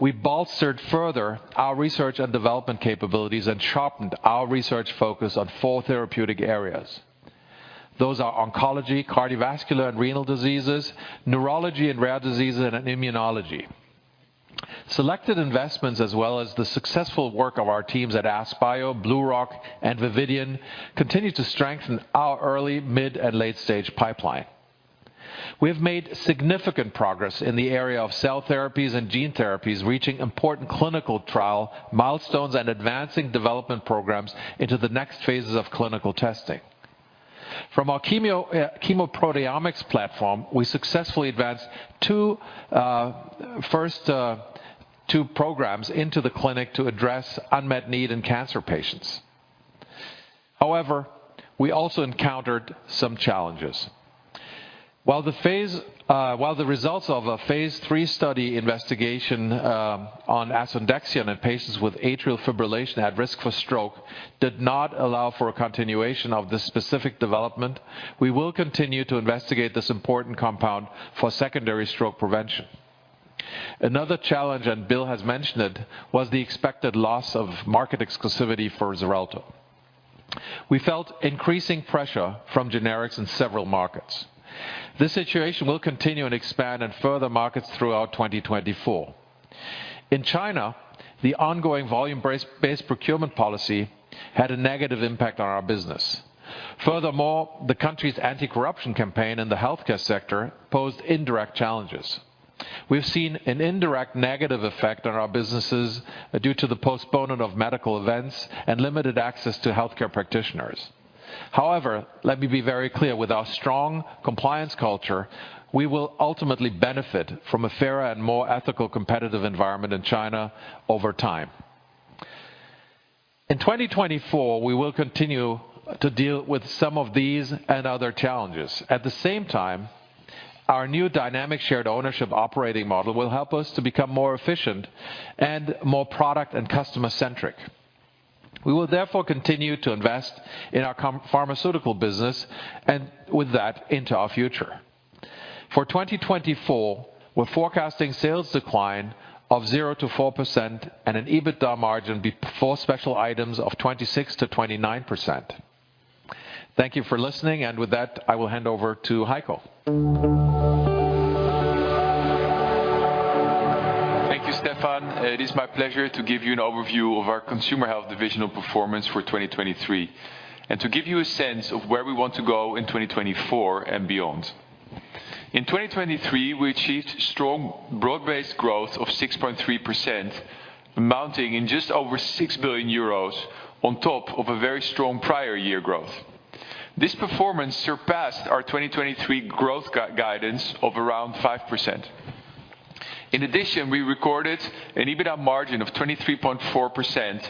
we bolstered further our research and development capabilities and sharpened our research focus on four therapeutic areas. Those are oncology, cardiovascular and renal diseases, neurology and rare diseases, and immunology. Selected investments, as well as the successful work of our teams at AskBio, BlueRock, and Vividion, continue to strengthen our early, mid, and late-stage pipeline. We have made significant progress in the area of cell therapies and gene therapies, reaching important clinical trial milestones and advancing development programs into the next phases of clinical testing. From our chemoproteomics platform, we successfully advanced two programs into the clinic to address unmet need in cancer patients. However, we also encountered some challenges. While the results of a phase III study investigating asundexian in patients with atrial fibrillation at risk for stroke did not allow for a continuation of this specific development, we will continue to investigate this important compound for secondary stroke prevention. Another challenge, and Bill has mentioned it, was the expected loss of market exclusivity for Xarelto. We felt increasing pressure from generics in several markets. This situation will continue and expand in further markets throughout 2024. In China, the ongoing volume-based procurement policy had a negative impact on our business. Furthermore, the country's anti-corruption campaign in the healthcare sector posed indirect challenges. We've seen an indirect negative effect on our businesses due to the postponement of medical events and limited access to healthcare practitioners. However, let me be very clear, with our strong compliance culture, we will ultimately benefit from a fairer and more ethical competitive environment in China over time. In 2024, we will continue to deal with some of these and other challenges. At the same time, our new dynamic shared ownership operating model will help us to become more efficient and more product and customer-centric. We will therefore continue to invest in our Pharmaceutical business and with that, into our future. For 2024, we're forecasting sales decline of 0%-4% and an EBITDA margin before special items of 26%-29%. Thank you for listening, and with that, I will hand over to Heiko. Thank you, Stefan. It is my pleasure to give you an overview of our Consumer Health divisional performance for 2023, and to give you a sense of where we want to go in 2024 and beyond. In 2023, we achieved strong, broad-based growth of 6.3%, amounting in just over 6 billion euros on top of a very strong prior year growth. This performance surpassed our 2023 growth guidance of around 5%. In addition, we recorded an EBITDA margin of 23.4%,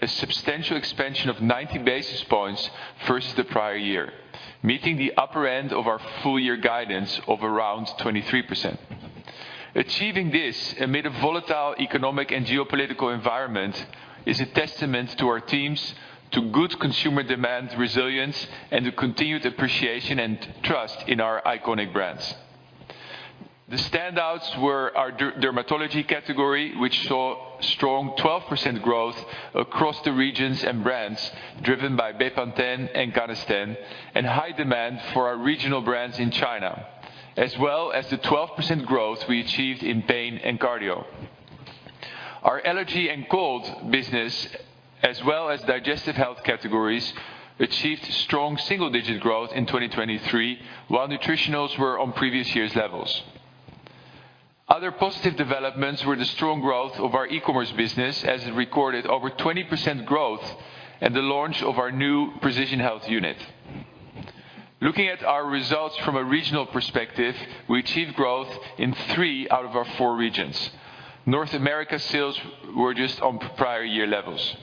a substantial expansion of 90 basis points versus the prior year, meeting the upper end of our full year guidance of around 23%. Achieving this amid a volatile economic and geopolitical environment is a testament to our teams, to good consumer demand resilience, and the continued appreciation and trust in our iconic brands. The standouts were our dermatology category, which saw strong 12% growth across the regions and brands, driven by Bepanthen and Canesten, and high demand for our regional brands in China, as well as the 12% growth we achieved in pain and cardio. Our allergy and cold business, as well as digestive health categories, achieved strong single-digit growth in 2023, while nutritionals were on previous years' levels. Other positive developments were the strong growth of our e-commerce business, as it recorded over 20% growth and the launch of our new precision health unit. Looking at our results from a regional perspective, we achieved growth in three out of our four regions. North America sales were just on prior year levels.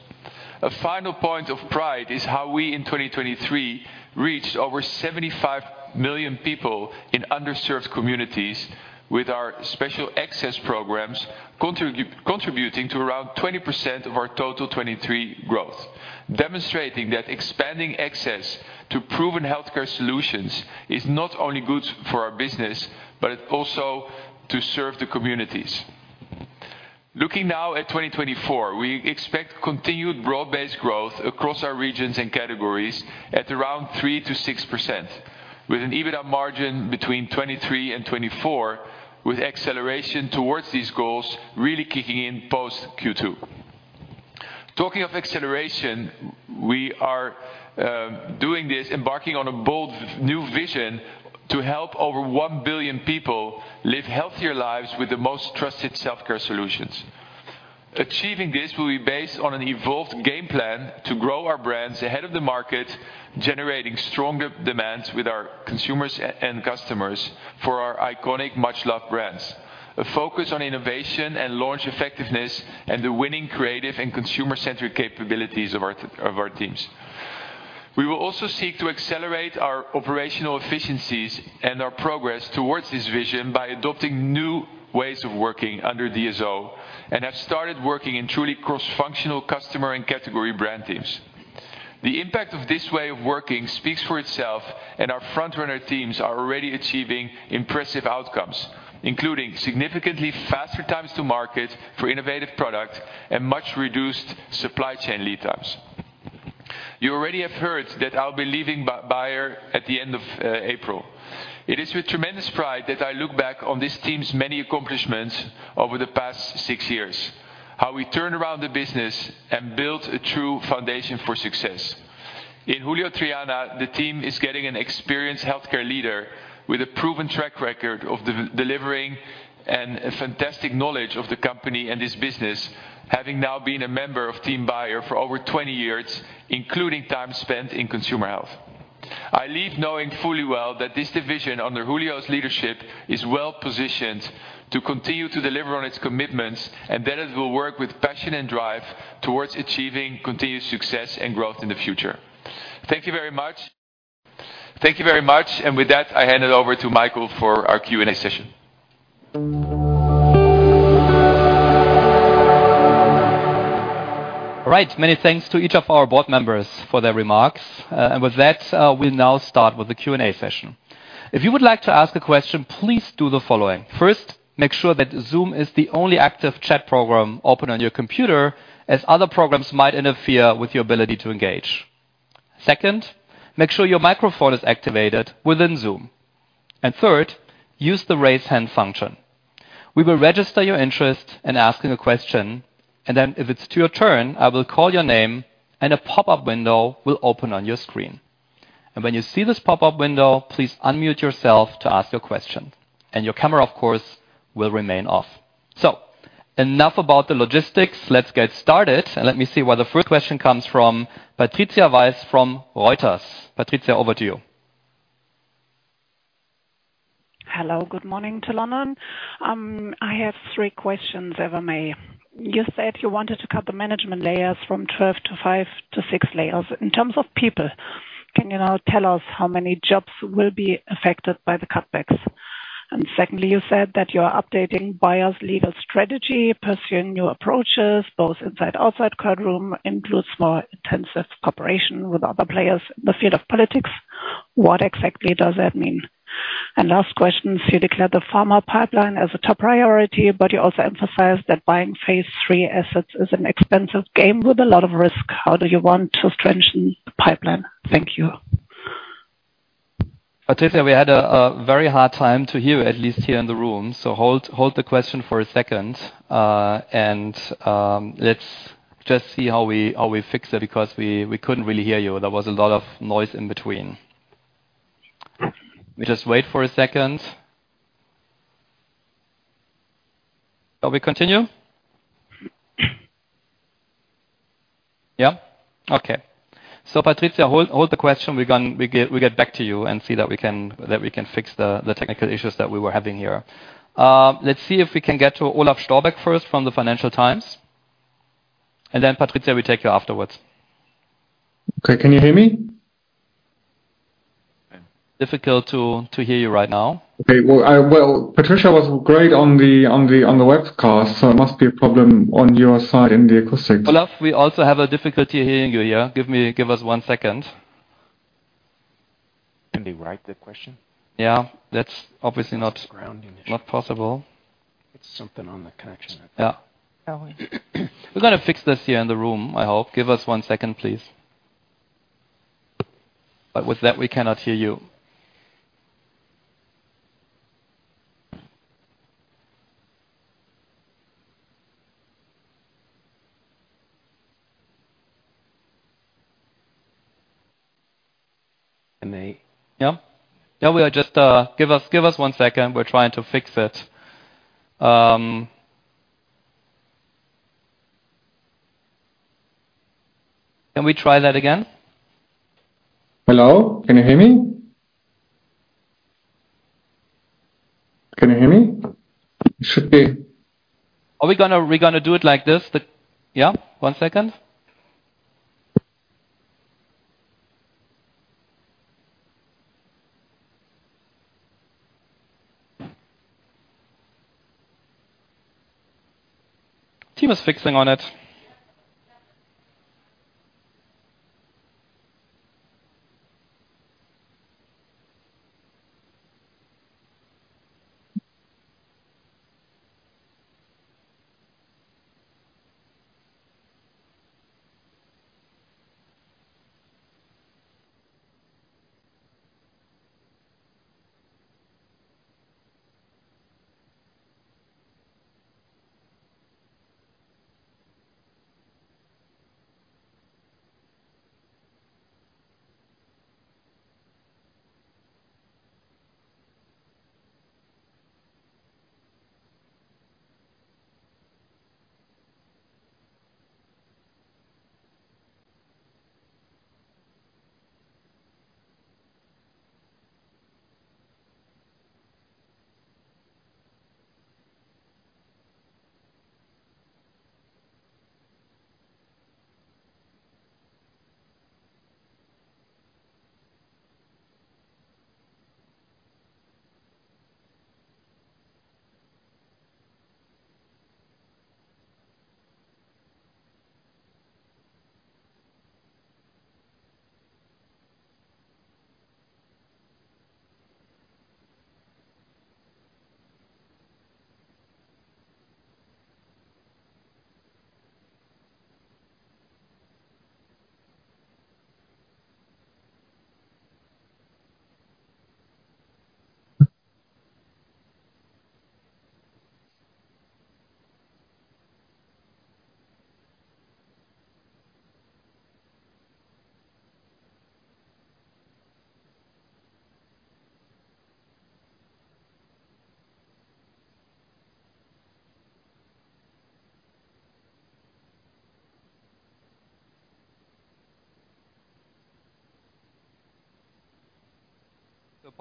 A final point of pride is how we, in 2023, reached over 75 million people in underserved communities with our special access programs, contributing to around 20% of our total 23% growth, demonstrating that expanding access to proven healthcare solutions is not only good for our business, but it also to serve the communities. Looking now at 2024, we expect continued broad-based growth across our regions and categories at around 3%-6%, with an EBITDA margin between 23% and 24%, with acceleration towards these goals really kicking in post Q2. Talking of acceleration, we are doing this, embarking on a bold new vision to help over 1 billion people live healthier lives with the most trusted self-care solutions. Achieving this will be based on an evolved game plan to grow our brands ahead of the market, generating stronger demands with our consumers and customers for our iconic, much-loved brands. A focus on innovation and launch effectiveness and the winning creative and consumer-centric capabilities of our teams. We will also seek to accelerate our operational efficiencies and our progress towards this vision by adopting new ways of working under DSO, and have started working in truly cross-functional customer and category brand teams. The impact of this way of working speaks for itself, and our front-runner teams are already achieving impressive outcomes, including significantly faster times to market for innovative product and much reduced supply chain lead times. You already have heard that I'll be leaving Bayer at the end of April. It is with tremendous pride that I look back on this team's many accomplishments over the past six years, how we turned around the business and built a true foundation for success. In Julio Triana, the team is getting an experienced healthcare leader with a proven track record of delivering and a fantastic knowledge of the company and his business, having now been a member of team Bayer for over 20 years, including time spent in Consumer Health. I leave knowing fully well that this division, under Julio's leadership, is well-positioned to continue to deliver on its commitments, and that it will work with passion and drive towards achieving continued success and growth in the future. Thank you very much. Thank you very much, and with that, I hand it over to Michael for our Q&A session. All right. Many thanks to each of our board members for their remarks. And with that, we now start with the Q&A session. If you would like to ask a question, please do the following: First, make sure that Zoom is the only active chat program open on your computer, as other programs might interfere with your ability to engage. Second, make sure your microphone is activated within Zoom. And third, use the raise hand function. We will register your interest in asking a question, and then if it's your turn, I will call your name, and a pop-up window will open on your screen. And when you see this pop-up window, please unmute yourself to ask your question. And your camera, of course, will remain off. So enough about the logistics, let's get started, and let me see where the first question comes from. Patricia Weiss from Reuters. Patricia, over to you. Hello, good morning to London. I have three questions, if I may. You said you wanted to cut the management layers from 12 to 5 to 6 layers. In terms of people, can you now tell us how many jobs will be affected by the cutbacks? And secondly, you said that you are updating Bayer's legal strategy, pursuing new approaches, both inside, outside courtroom, includes more intensive cooperation with other players in the field of politics. What exactly does that mean? And last question, you declared the Pharma pipeline as a top priority, but you also emphasized that buying phase III assets is an expensive game with a lot of risk. How do you want to strengthen the pipeline? Thank you. Patricia, we had a very hard time to hear you, at least here in the room, so hold, hold the question for a second, and let's just see how we, how we fix it, because we, we couldn't really hear you. There was a lot of noise in between. We just wait for a second. Oh, we continue? Yeah? Okay. So, Patricia, hold, hold the question. We're going to get back to you and see that we can, that we can fix the, the technical issues that we were having here. Let's see if we can get to Olaf Storbeck first from the Financial Times, and then, Patricia, we take you afterwards. Okay. Can you hear me? Difficult to hear you right now. Okay, well, Patricia was great on the webcast, so it must be a problem on your side in the acoustics. Olaf, we also have a difficulty hearing you here. Give me, give us one second. Can they write the question? Yeah, that's obviously not grounding issue. Not possible. It's something on the connection. Yeah. Yeah. We're gonna fix this here in the room, I hope. Give us one second, please. But with that, we cannot hear you. And they. Yeah? Yeah, we are just. Give us, give us one second. We're trying to fix it. Can we try that again? Hello, can you hear me? Can you hear me? It should be. Are we gonna do it like this? Yeah, one second. Team is fixing on it.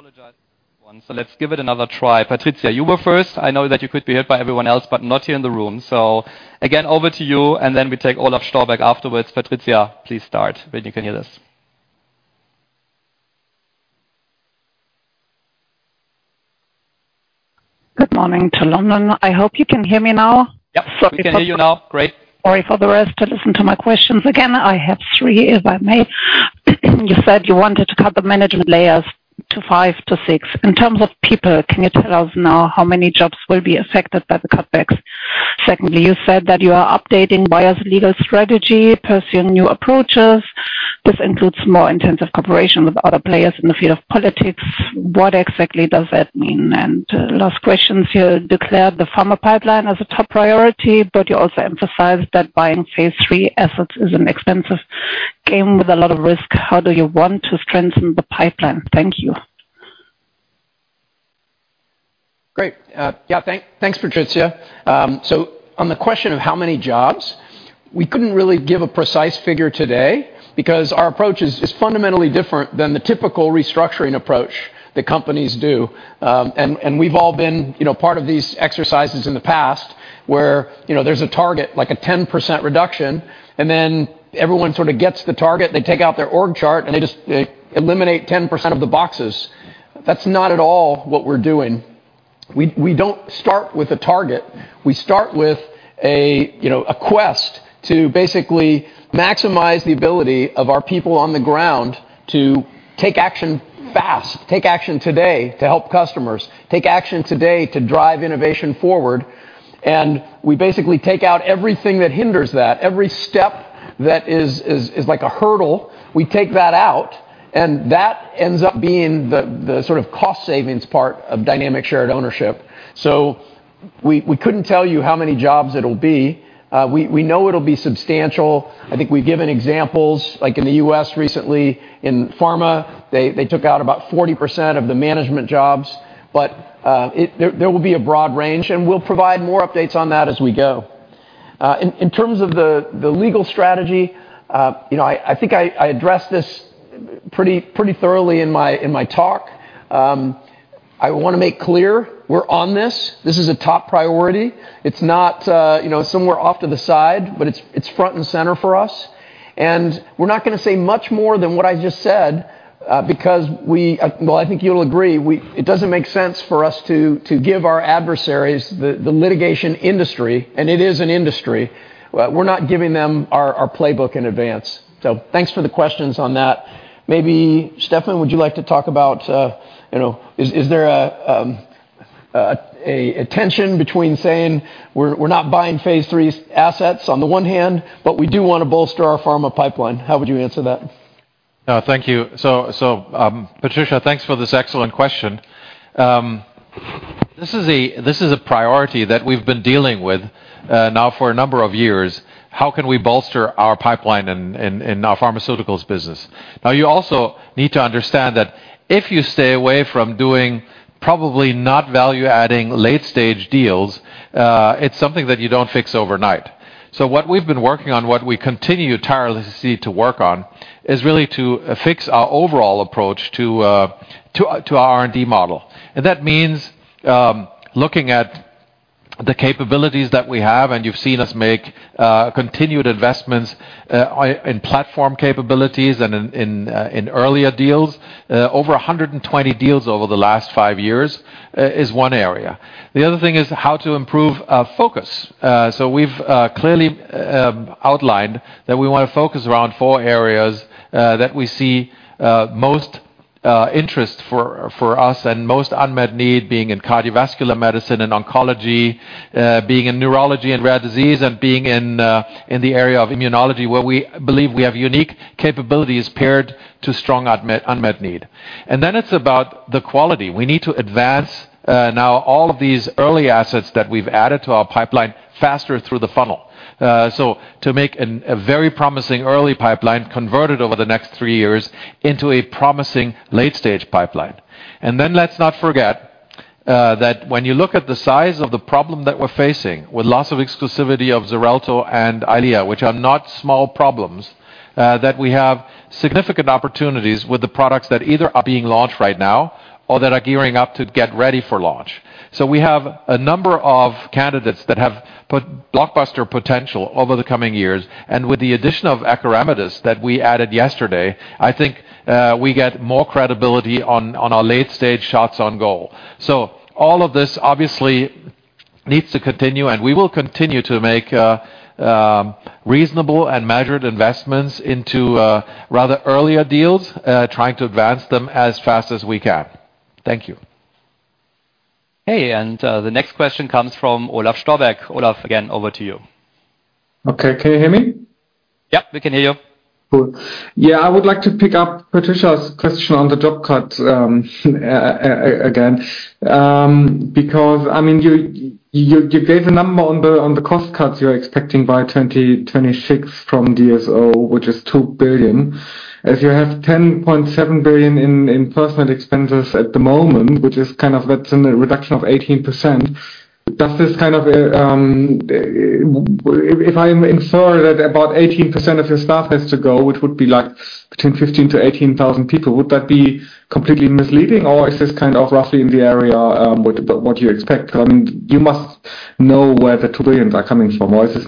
So, apologize once. So, let's give it another try. Patricia, you were first. I know that you could be heard by everyone else, but not here in the room. So, again, over to you, and then we take Olaf Storbeck afterwards. Patricia, please start when you can hear us. Good morning to London. I hope you can hear me now. Yep, we can hear you now. Great. Sorry for the rest to listen to my questions again. I have three, if I may. You said you wanted to cut the management layers to five to six. In terms of people, can you tell us now how many jobs will be affected by the cutbacks? Secondly, you said that you are updating Bayer's legal strategy, pursuing new approaches. This includes more intensive cooperation with other players in the field of politics. What exactly does that mean? And, last question, you declared the Pharma pipeline as a top priority, but you also emphasized that buying phase three assets is an expensive game with a lot of risk. How do you want to strengthen the pipeline? Thank you. Great. Yeah, thanks, Patricia. So on the question of how many jobs, we couldn't really give a precise figure today because our approach is fundamentally different than the typical restructuring approach that companies do. And we've all been, you know, part of these exercises in the past where, you know, there's a target, like a 10% reduction, and then everyone sort of gets the target. They take out their org chart, and they just eliminate 10% of the boxes. That's not at all what we're doing. We don't start with a target. We start with a, you know, a quest to basically maximize the ability of our people on the ground to take action fast, take action today to help customers, take action today to drive innovation forward, and we basically take out everything that hinders that. Every step that is like a hurdle, we take that out, and that ends up being the sort of cost savings part of dynamic shared ownership. So we couldn't tell you how many jobs it'll be. We know it'll be substantial. I think we've given examples, like in the U.S. recently in Pharma, they took out about 40% of the management jobs, but there will be a broad range, and we'll provide more updates on that as we go. In terms of the legal strategy, you know, I think I addressed this pretty thoroughly in my talk. I wanna make clear we're on this. This is a top priority. It's not, you know, somewhere off to the side, but it's front and center for us. We're not gonna say much more than what I just said, because we... Well, I think you'll agree, we- it doesn't make sense for us to, to give our adversaries the, the litigation industry, and it is an industry, we're not giving them our, our playbook in advance. So thanks for the questions on that. Maybe, Stefan, would you like to talk about, you know, is, is there a, a tension between saying we're, we're not buying phase three assets on the one hand, but we do wanna bolster our Pharma pipeline? How would you answer that? Thank you. So, Patricia, thanks for this excellent question. This is a priority that we've been dealing with now for a number of years. How can we bolster our pipeline in our Pharmaceuticals business? Now, you also need to understand that if you stay away from doing probably not value-adding late-stage deals, it's something that you don't fix overnight. So what we've been working on, what we continue tirelessly to work on, is really to fix our overall approach to our R&D model. That means looking atthe capabilities that we have, and you've seen us make continued investments in platform capabilities and in earlier deals. Over 120 deals over the last five years is one area. The other thing is how to improve focus. So we've clearly outlined that we wanna focus around four areas that we see most interest for us, and most unmet need being in cardiovascular medicine and oncology, being in neurology and rare disease, and being in the area of immunology, where we believe we have unique capabilities paired to strong unmet need. And then it's about the quality. We need to advance now all of these early assets that we've added to our pipeline faster through the funnel. So to make a very promising early pipeline, convert it over the next three years into a promising late-stage pipeline. And then let's not forget that when you look at the size of the problem that we're facing with loss of exclusivity of Xarelto and EYLEA, which are not small problems, that we have significant opportunities with the products that either are being launched right now or that are gearing up to get ready for launch. So we have a number of candidates that have blockbuster potential over the coming years, and with the addition of acoramidis that we added yesterday, I think we get more credibility on our late-stage shots on goal. So all of this obviously needs to continue, and we will continue to make reasonable and measured investments into rather earlier deals, trying to advance them as fast as we can. Thank you. Hey, and, the next question comes from Olaf Storbeck. Olaf, again, over to you. Okay, can you hear me? Yep, we can hear you. Cool. Yeah, I would like to pick up Patricia's question on the job cuts, again. Because, I mean, you gave a number on the cost cuts you're expecting by 2026 from DSO, which is 2 billion. As you have 10.7 billion in personnel expenses at the moment, which is kind of, that's a reduction of 18%. Does this kind of, if I'm sure that about 18% of your staff has to go, which would be like between 15,000-18,000 people, would that be completely misleading? Or is this kind of roughly in the area, what you expect? I mean, you must know where the 2 billion are coming from, or is this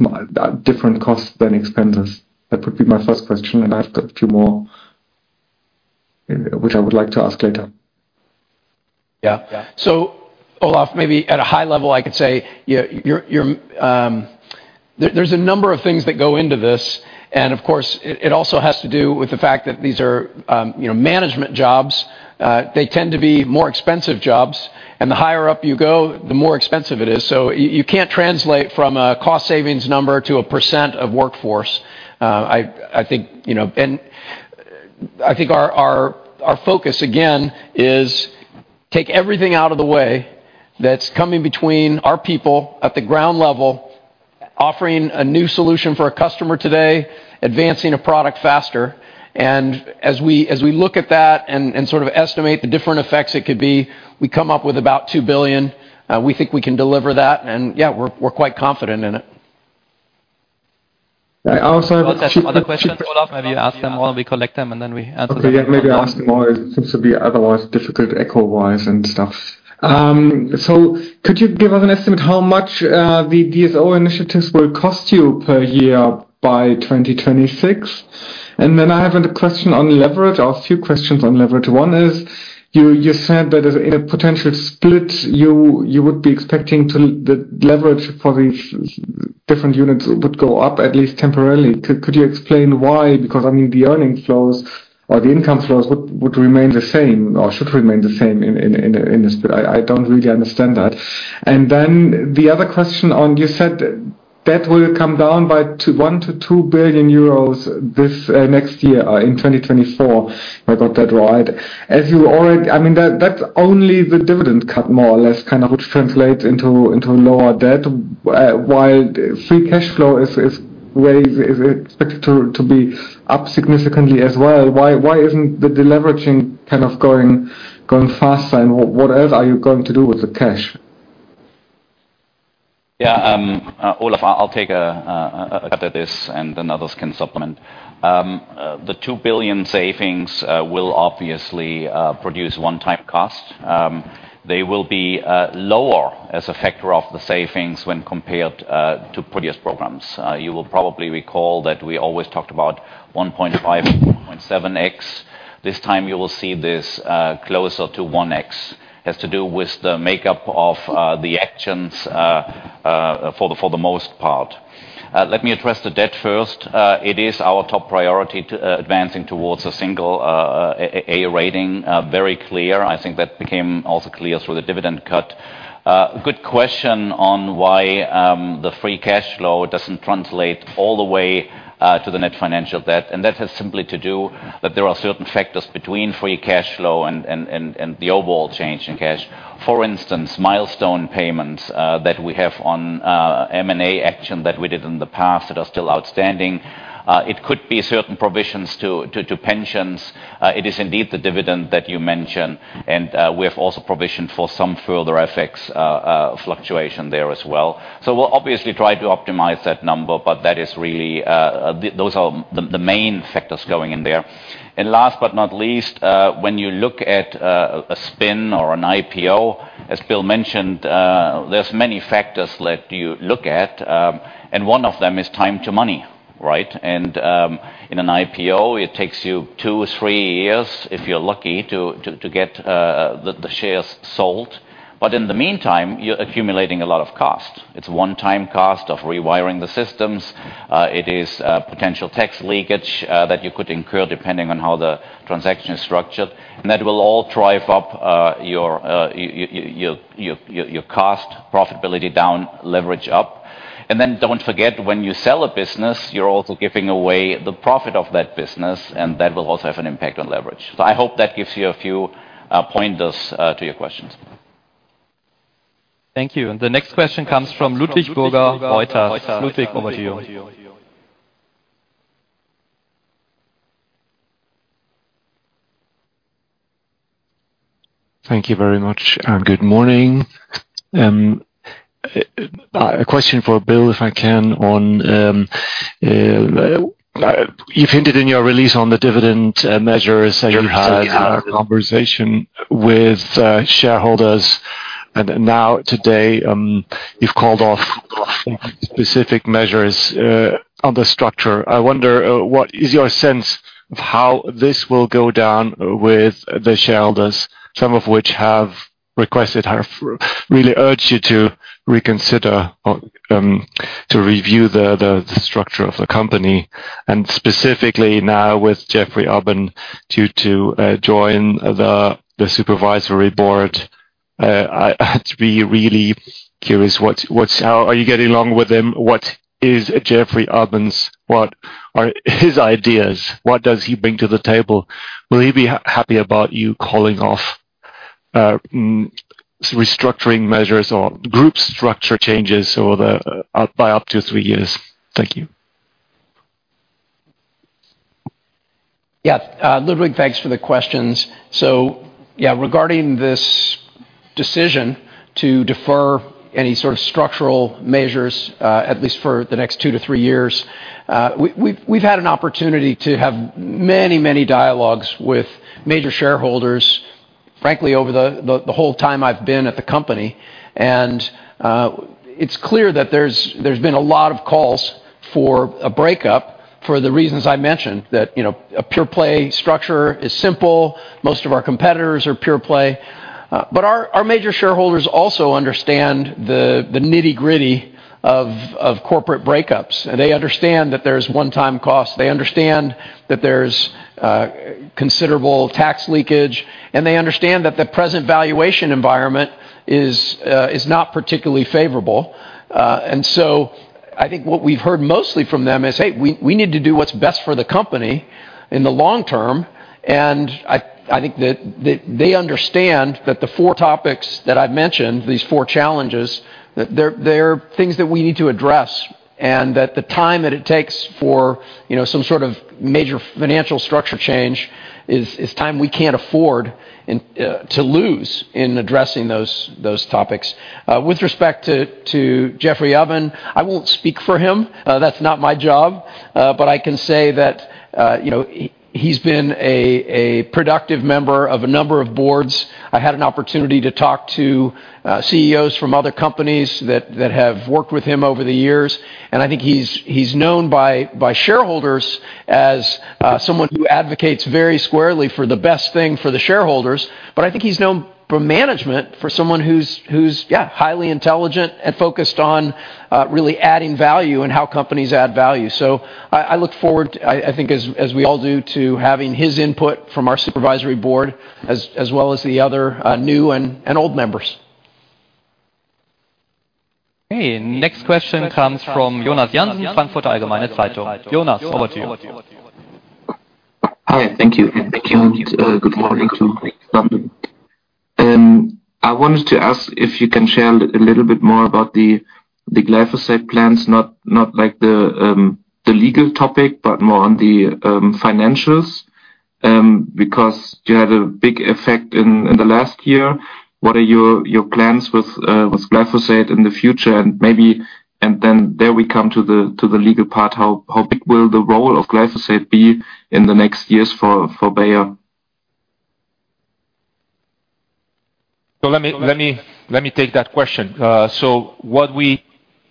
different costs than expenses? That would be my first question, and I've got two more, which I would like to ask later. Yeah. So Olaf, maybe at a high level, I could say, yeah, you're... There's a number of things that go into this, and of course, it also has to do with the fact that these are, you know, management jobs. They tend to be more expensive jobs, and the higher up you go, the more expensive it is. So you can't translate from a cost savings number to a % of workforce. I think, you know, and I think our focus again, is take everything out of the way that's coming between our people at the ground level, offering a new solution for a customer today, advancing a product faster. And as we look at that and sort of estimate the different effects it could be, we come up with about 2 billion. We think we can deliver that, and yeah, we're quite confident in it. I also have a cheap. Other questions, Olaf? Maybe ask them, or we collect them, and then we answer them. Okay, yeah, maybe ask them all. It seems to be otherwise difficult echo-wise and stuff. So could you give us an estimate how much the DSO initiatives will cost you per year by 2026? And then I have a question on leverage or a few questions on leverage. One is, you said that in a potential split, you would be expecting to—the leverage for these different units would go up, at least temporarily. Could you explain why? Because, I mean, the earnings flows or the income flows would remain the same or should remain the same in this. I don't really understand that. And then the other question on you said that will come down by one to two billion euros this next year in 2024, if I got that right. As you already—I mean, that's only the dividend cut, more or less, kind of, which translates into lower debt, while free cash flow is way expected to be up significantly as well. Why isn't the deleveraging kind of going faster, and what else are you going to do with the cash? Yeah, Olaf, I'll take a at this, and then others can supplement. The 2 billion savings will obviously produce one-time cost. They will be lower as a factor of the savings when compared to previous programs. You will probably recall that we always talked about 1.5x-0.7x. This time you will see this closer to 1x. Has to do with the makeup of the actions for the most part. Let me address the debt first. It is our top priority to advancing towards a single A/A rating. Very clear. I think that became also clear through the dividend cut. Good question on why the free cash flow doesn't translate all the way to the net financial debt, and that has simply to do that there are certain factors between free cash flow and the overall change in cash. For instance, milestone payments that we have on M&A action that we did in the past that are still outstanding. It could be certain provisions to pensions. It is indeed the dividend that you mentioned, and we have also provisioned for some further effects, fluctuation there as well. So we'll obviously try to optimize that number, but that is really, those are the main factors going in there. And last but not least, when you look at a spin or an IPO, as Bill mentioned, there's many factors that you look at, and one of them is time to money, right? And in an IPO, it takes you two or three years, if you're lucky, to get the shares sold. But in the meantime, you're accumulating a lot of cost. It's one-time cost of rewiring the systems, it is potential tax leakage that you could incur depending on how the transaction is structured. And that will all drive up your cost, profitability down, leverage up. And then don't forget, when you sell a business, you're also giving away the profit of that business, and that will also have an impact on leverage. So I hope that gives you a few pointers to your questions. Thank you. The next question comes from Ludwig Burger, Reuters. Ludwig, over to you. Thank you very much, and good morning. A question for Bill, if I can, on you've hinted in your release on the dividend measures that you had a conversation with shareholders, and now today, you've called off specific measures on the structure. I wonder what is your sense of how this will go down with the shareholders, some of which have requested, have really urged you to reconsider or to review the structure of the company, and specifically now with Jeffrey Ubben due to join the Supervisory Board? I have to be really curious. How are you getting along with him? What are Jeffrey Ubben's ideas? What does he bring to the table? Will he be happy about you calling off restructuring measures or group structure changes or the by up to three years? Thank you. Yeah, Ludwig, thanks for the questions. So, yeah, regarding this decision to defer any sort of structural measures, at least for the next two to three years, we've had an opportunity to have many, many dialogues with major shareholders, frankly, over the whole time I've been at the company. It's clear that there's been a lot of calls for a breakup for the reasons I mentioned, that you know, a pure-play structure is simple. Most of our competitors are pure-play. But our major shareholders also understand the nitty-gritty of corporate breakups, and they understand that there's one-time costs, they understand that there's considerable tax leakage, and they understand that the present valuation environment is not particularly favorable. And so I think what we've heard mostly from them is, "Hey, we, we need to do what's best for the company in the long term." And I, I think that they, they understand that the four topics that I've mentioned, these four challenges, that they're, they're things that we need to address, and that the time that it takes for, you know, some sort of major financial structure change is, is time we can't afford and, to lose in addressing those, those topics. With respect to, to Jeffrey Ubben, I won't speak for him. That's not my job, but I can say that, you know, he, he's been a, a productive member of a number of boards. I had an opportunity to talk to CEOs from other companies that have worked with him over the years, and I think he's known by shareholders as someone who advocates very squarely for the best thing for the shareholders. But I think he's known for management for someone who's yeah highly intelligent and focused on really adding value and how companies add value. So I look forward, I think as we all do, to having his input from our Supervisory Board as well as the other new and old members. Okay, next question comes from Jonas Jansen, Frankfurter Allgemeine Zeitung. Jonas, over to you. Hi, thank you. Thank you, and good morning to you. I wanted to ask if you can share a little bit more about the glyphosate plans, not like the legal topic, but more on the financials, because you had a big effect in the last year. What are your plans with glyphosate in the future? And maybe, and then there we come to the legal part, how big will the role of glyphosate be in the next years for Bayer? So let me take that question. So what we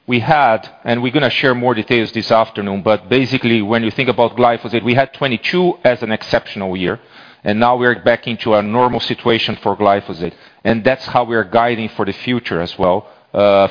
had, and we're gonna share more details this afternoon, but basically, when you think about glyphosate, we had 2022 as an exceptional year, and now we're back into a normal situation for glyphosate. And that's how we are guiding for the future as well,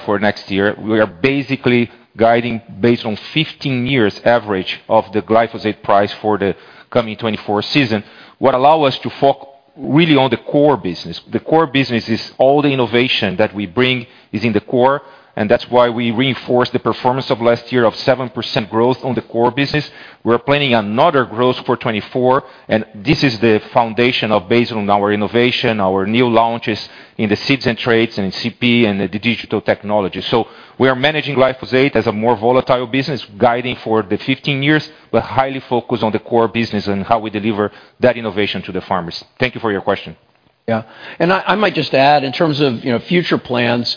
for next year. We are basically guiding based on 15 years average of the glyphosate price for the coming 2024 season, what allow us to focus really on the core business. The core business is all the innovation that we bring is in the core, and that's why we reinforce the performance of last year of 7% growth on the core business. We're planning another growth for 2024, and this is the foundation of based on our innovation, our new launches in the seeds and traits and in CP and the digital technology. So we are managing glyphosate as a more volatile business, guiding for the 15 years, but highly focused on the core business and how we deliver that innovation to the farmers. Thank you for your question. Yeah, and I might just add, in terms of, you know, future plans,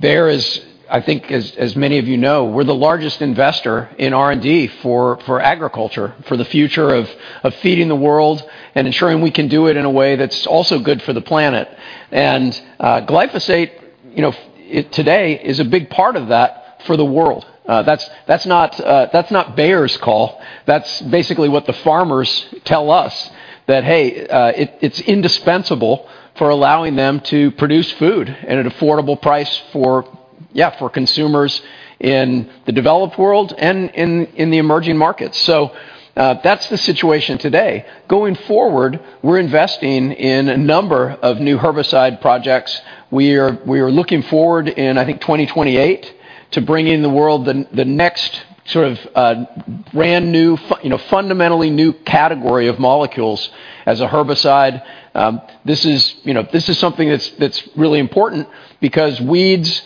Bayer is, I think, as many of you know, we're the largest investor in R&D for agriculture, for the future of feeding the world and ensuring we can do it in a way that's also good for the planet. And glyphosate, you know, it today is a big part of that for the world. That's not Bayer's call. That's basically what the farmers tell us, that, hey, it, it's indispensable for allowing them to produce food at an affordable price for, yeah, for consumers in the developed world and in the emerging markets. So that's the situation today. Going forward, we're investing in a number of new herbicide projects. We are looking forward in, I think, 2028 to bring in the world the next sort of, you know, fundamentally new category of molecules as a herbicide. This is, you know, this is something that's really important because weeds,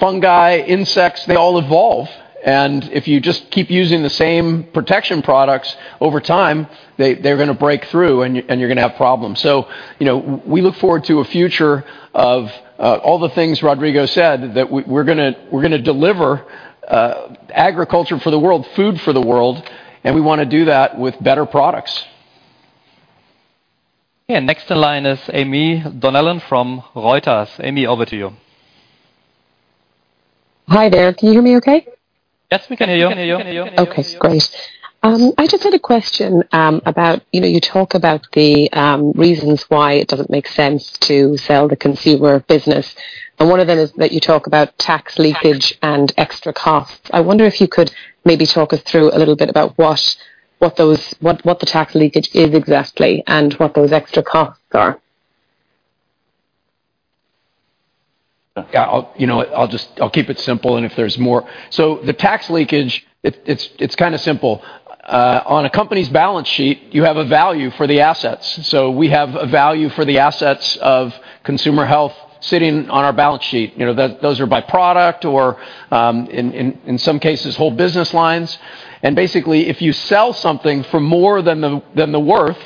fungi, insects, they all evolve, and if you just keep using the same protection products over time, they're gonna break through, and you're gonna have problems. So, you know, we look forward to a future of all the things Rodrigo said, that we're gonna deliver, agriculture for the world, food for the world, and we wanna do that with better products. Yeah, next in line is Aimee Donnellan from Reuters. Aimee, over to you. Hi there. Can you hear me okay? Yes, we can hear you. Okay, great. I just had a question about, you know, you talk about the reasons why it doesn't make sense to sell the consumer business, and one of them is that you talk about tax leakage and extra costs. I wonder if you could maybe talk us through a little bit about what the tax leakage is exactly and what those extra costs are? Yeah, I'll, you know what? I'll just keep it simple, and if there's more... So the tax leakage, it's kind of simple. On a company's balance sheet, you have a value for the assets. So we have a value for the assets of Consumer Health sitting on our balance sheet. You know, that, those are by product or, in some cases, whole business lines. And basically, if you sell something for more than the worth,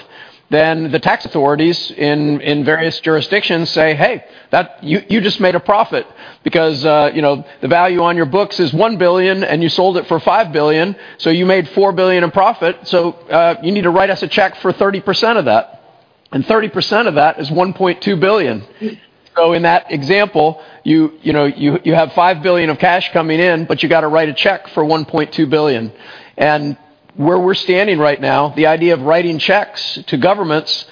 then the tax authorities in various jurisdictions say, "Hey, that—you just made a profit because, you know, the value on your books is 1 billion, and you sold it for 5 billion, so you made 4 billion in profit. So, you need to write us a check for 30% of that," and 30% of that is 1.2 billion. So in that example, you know, you have 5 billion of cash coming in, but you got to write a check for 1.2 billion. And where we're standing right now, the idea of writing checks to governments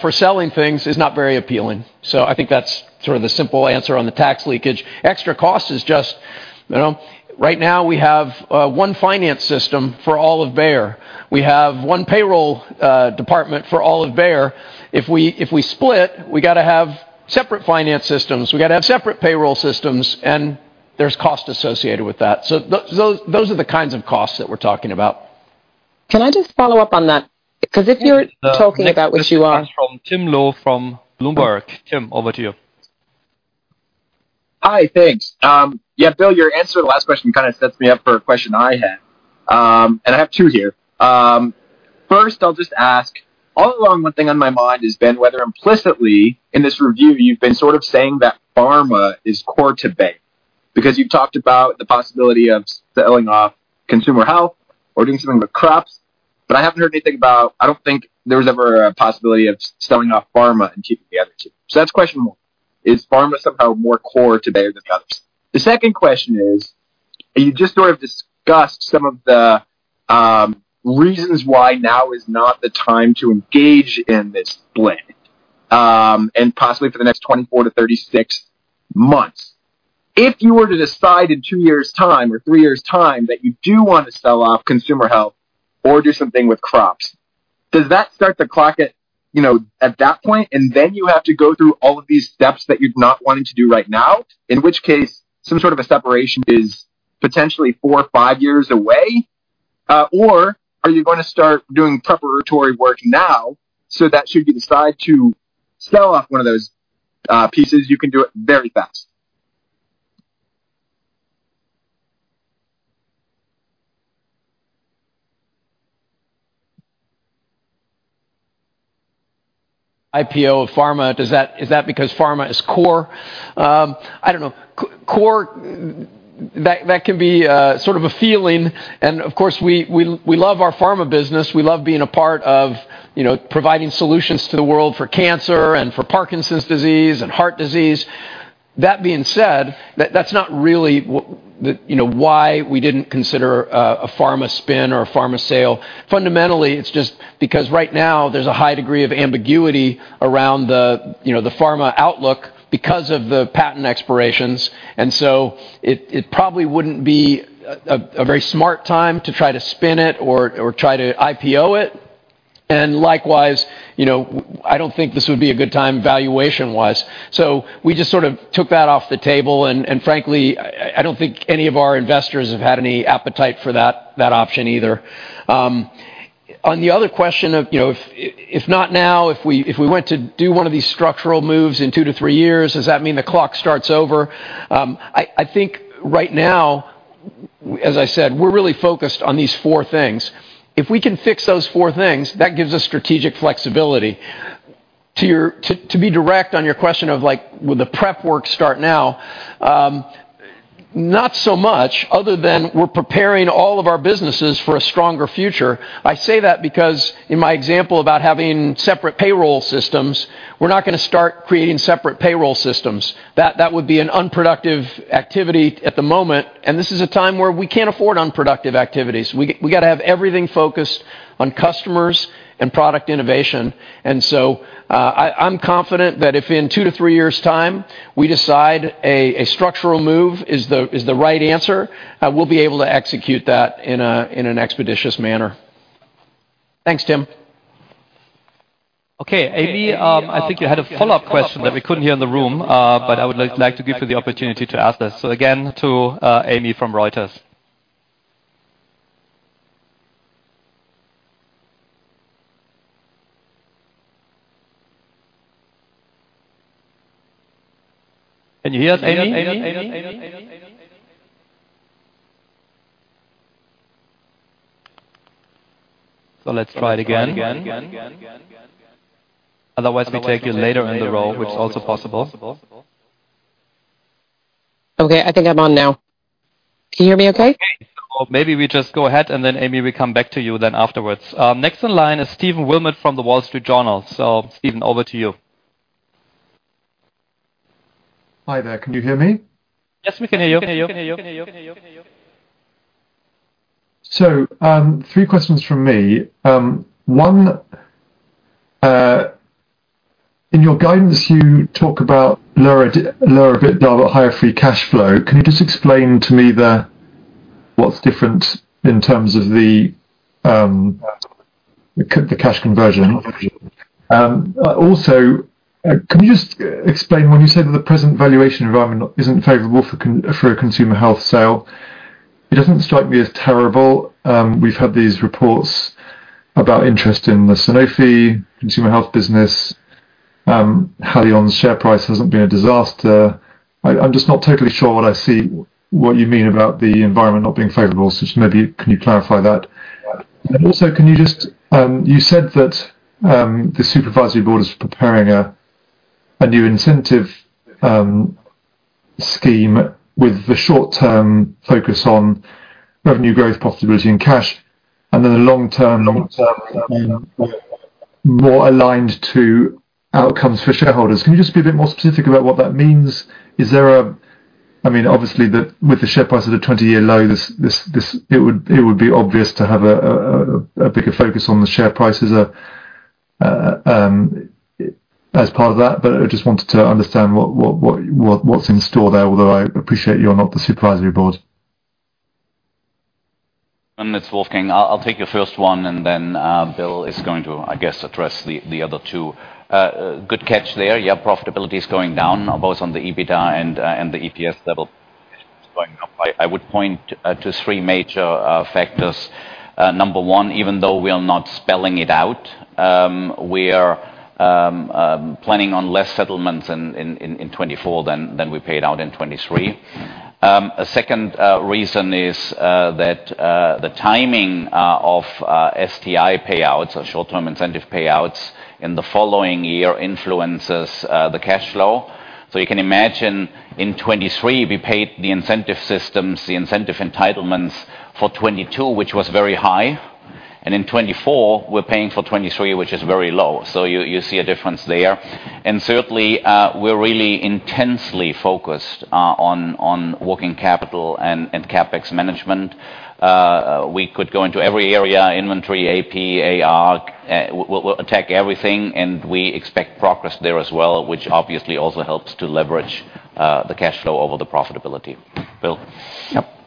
for selling things is not very appealing. So I think that's sort of the simple answer on the tax leakage. Extra cost is just, you know, right now we have one finance system for all of Bayer. We have one payroll department for all of Bayer. If we split, we got to have separate finance systems, we got to have separate payroll systems, and there's cost associated with that. So those are the kinds of costs that we're talking about. Can I just follow up on that? Because if you're talking about what you are. From Tim Loh from Bloomberg. Tim, over to you. Hi, thanks. Yeah, Bill, your answer to the last question kind of sets me up for a question I had, and I have two here. First, I'll just ask, all along, one thing on my mind has been whether implicitly in this review, you've been sort of saying that Pharma is core to Bayer, because you've talked about the possibility of selling off Consumer Health or doing something with crops, but I haven't heard anything about. I don't think there was ever a possibility of selling off Pharma and keeping the other two. So that's question one: Is Pharma somehow more core to Bayer than the others? The second question is, you just sort of discussed some of the reasons why now is not the time to engage in this split, and possibly for the next 24-36 months. If you were to decide in 2 years' time or 3 years' time that you do want to sell off Consumer Health or do something with crops, does that start the clock at, you know, at that point, and then you have to go through all of these steps that you're not wanting to do right now? In which case, some sort of a separation is potentially 4 or 5 years away, or are you gonna start doing preparatory work now so that should you decide to sell off one of those, pieces, you can do it very fast? IPO of Pharma, does that—is that because Pharma is core? I don't know. Core, that can be sort of a feeling, and of course, we love our Pharma business. We love being a part of, you know, providing solutions to the world for cancer and for Parkinson's disease and heart disease. That being said, that's not really the, you know, why we didn't consider a Pharma spin or a Pharma sale. Fundamentally, it's just because right now there's a high degree of ambiguity around the, you know, the Pharma outlook because of the patent expirations, and so it probably wouldn't be a very smart time to try to spin it or try to IPO it. And likewise, you know, I don't think this would be a good time valuation-wise. So we just sort of took that off the table, and frankly, I don't think any of our investors have had any appetite for that option either. On the other question of, you know, if not now, if we went to do one of these structural moves in two to three years, does that mean the clock starts over? I think right now, as I said, we're really focused on these four things. If we can fix those four things, that gives us strategic flexibility. To be direct on your question of, like, will the prep work start now? Not so much, other than we're preparing all of our businesses for a stronger future. I say that because in my example, about having separate payroll systems, we're not gonna start creating separate payroll systems. That would be an unproductive activity at the moment, and this is a time where we can't afford unproductive activities. We gotta have everything focused on customers and product innovation. So, I'm confident that if in 2-3 years' time, we decide a structural move is the right answer, we'll be able to execute that in an expeditious manner. Thanks, Tim. Okay, Aimee, I think you had a follow-up question that we couldn't hear in the room, but I would like to give you the opportunity to ask this. So again, to Aimee from Reuters. Can you hear us, Aimee? So let's try it again. Otherwise, we take you later in the row, which is also possible. Okay, I think I'm on now. Can you hear me okay? Maybe we just go ahead and then, Aimee, we come back to you then afterwards. Next in line is Stephen Wilmot from the Wall Street Journal. So, Stephen, over to you. Hi there. Can you hear me? Yes, we can hear you. So, three questions from me. One, in your guidance, you talk about lower EBITDA, higher free cash flow. Can you just explain to me what's different in terms of the, the cash conversion? Also, can you just explain, when you say that the present valuation environment isn't favorable for a Consumer Health sale, it doesn't strike me as terrible. We've had these reports about interest in the Sanofi Consumer Health business. Haleon's share price hasn't been a disaster. I, I'm just not totally sure what I see, what you mean about the environment not being favorable. So just maybe can you clarify that? And also, can you just... You said that the Supervisory Board is preparing a new incentive scheme with the short-term focus on revenue growth, profitability, and cash, and then the long term more aligned to outcomes for shareholders. Can you just be a bit more specific about what that means? Is there a—I mean, obviously, with the share price at a 20-year low, this—it would be obvious to have a bigger focus on the share prices as part of that, but I just wanted to understand what's in store there. Although, I appreciate you are not the Supervisory Board. It's Wolfgang. I'll take your first one, and then Bill is going to, I guess, address the other two. Good catch there. Yeah, profitability is going down both on the EBITDA and the EPS level is going up. I would point to three major factors. Number one, even though we are not spelling it out, we are planning on less settlements in 2024 than we paid out in 2023. A second reason is that the timing of STI payouts or short-term incentive payouts in the following year influences the cash flow. So you can imagine in 2023, we paid the incentive systems, the incentive entitlements for 2022, which was very high, and in 2024, we're paying for 2023, which is very low. So you see a difference there. And certainly, we're really intensely focused on working capital and CapEx management. We could go into every area, inventory, AP, AR, we'll attack everything, and we expect progress there as well, which obviously also helps to leverage the cash flow over the profitability. Bill? Yep.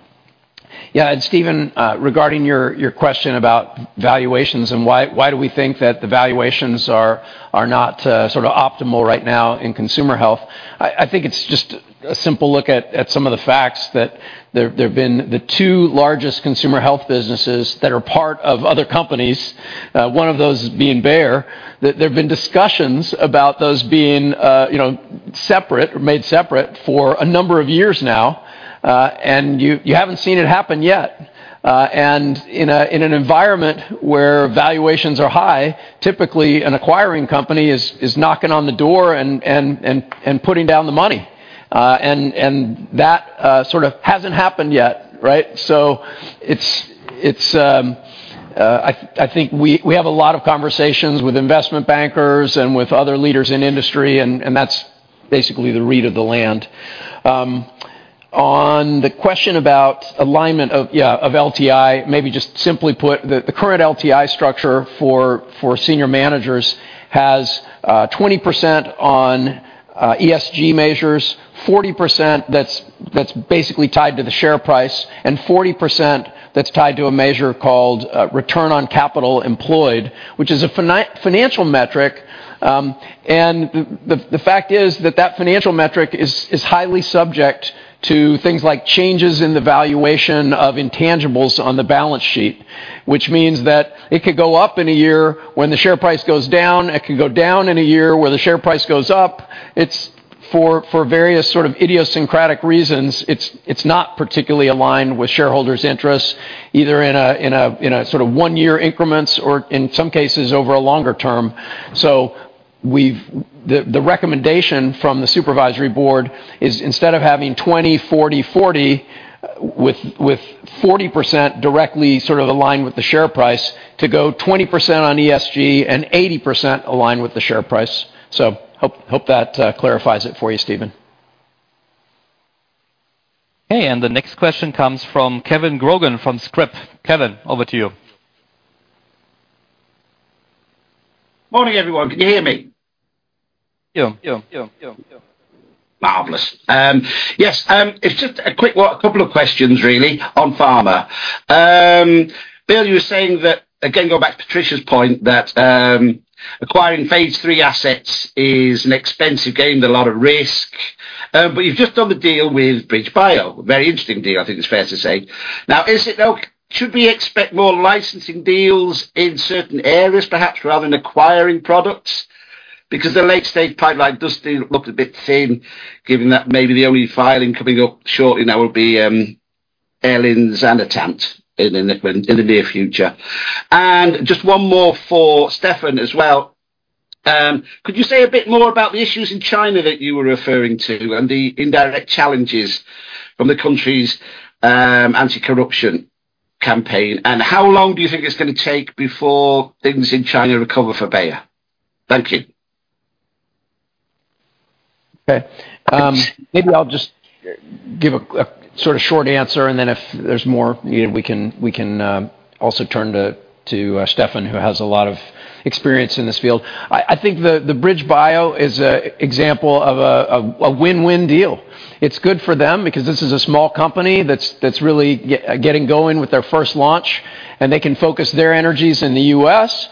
Yeah, and Stephen, regarding your question about valuations and why do we think that the valuations are not sort of optimal right now in Consumer Health? I think it's just a simple look at some of the facts that there have been the two largest Consumer Health businesses that are part of other companies, one of those being Bayer. That there have been discussions about those being, you know, separate or made separate for a number of years now, and you haven't seen it happen yet. And in an environment where valuations are high, typically an acquiring company is knocking on the door and putting down the money. And that sort of hasn't happened yet, right? So it's I think we have a lot of conversations with investment bankers and with other leaders in industry, and that's basically the read of the land. On the question about alignment of LTI, maybe just simply put, the current LTI structure for senior managers has 20% on ESG measures, 40% that's basically tied to the share price, and 40% that's tied to a measure called return on capital employed, which is a financial metric. And the fact is that financial metric is highly subject to things like changes in the valuation of intangibles on the balance sheet. Which means that it could go up in a year when the share price goes down, it can go down in a year where the share price goes up. It's for various sort of idiosyncratic reasons, it's not particularly aligned with shareholders' interests, either in a sort of one-year increments or in some cases, over a longer term. So, the recommendation from the Supervisory Board is instead of having 20, 40, 40, with 40% directly sort of aligned with the share price, to go 20% on ESG and 80% aligned with the share price. So hope that clarifies it for you, Stephen. Okay, and the next question comes from Kevin Grogan from Scrip. Kevin, over to you. Morning, everyone. Can you hear me? Yeah. Marvelous. Yes, it's just a quick one, a couple of questions really on Pharma. Bill, you were saying that, again, going back to Tricia's point, that acquiring Phase III assets is an expensive game and a lot of risk. But you've just done the deal with BridgeBio. A very interesting deal, I think it's fair to say. Now, is it, though, should we expect more licensing deals in certain areas, perhaps, rather than acquiring products? Because the late-stage pipeline does still look a bit thin, given that maybe the only filing coming up shortly now will be elinzanetant in the near future. And just one more for Stefan as well. Could you say a bit more about the issues in China that you were referring to and the indirect challenges from the country's anti-corruption campaign? How long do you think it's gonna take before things in China recover for Bayer? Thank you. Okay. Maybe I'll just give a sort of short answer, and then if there's more, you know, we can also turn to Stefan, who has a lot of experience in this field. I think the BridgeBio is a example of a win-win deal. It's good for them because this is a small company that's really getting going with their first launch, and they can focus their energies in the U.S.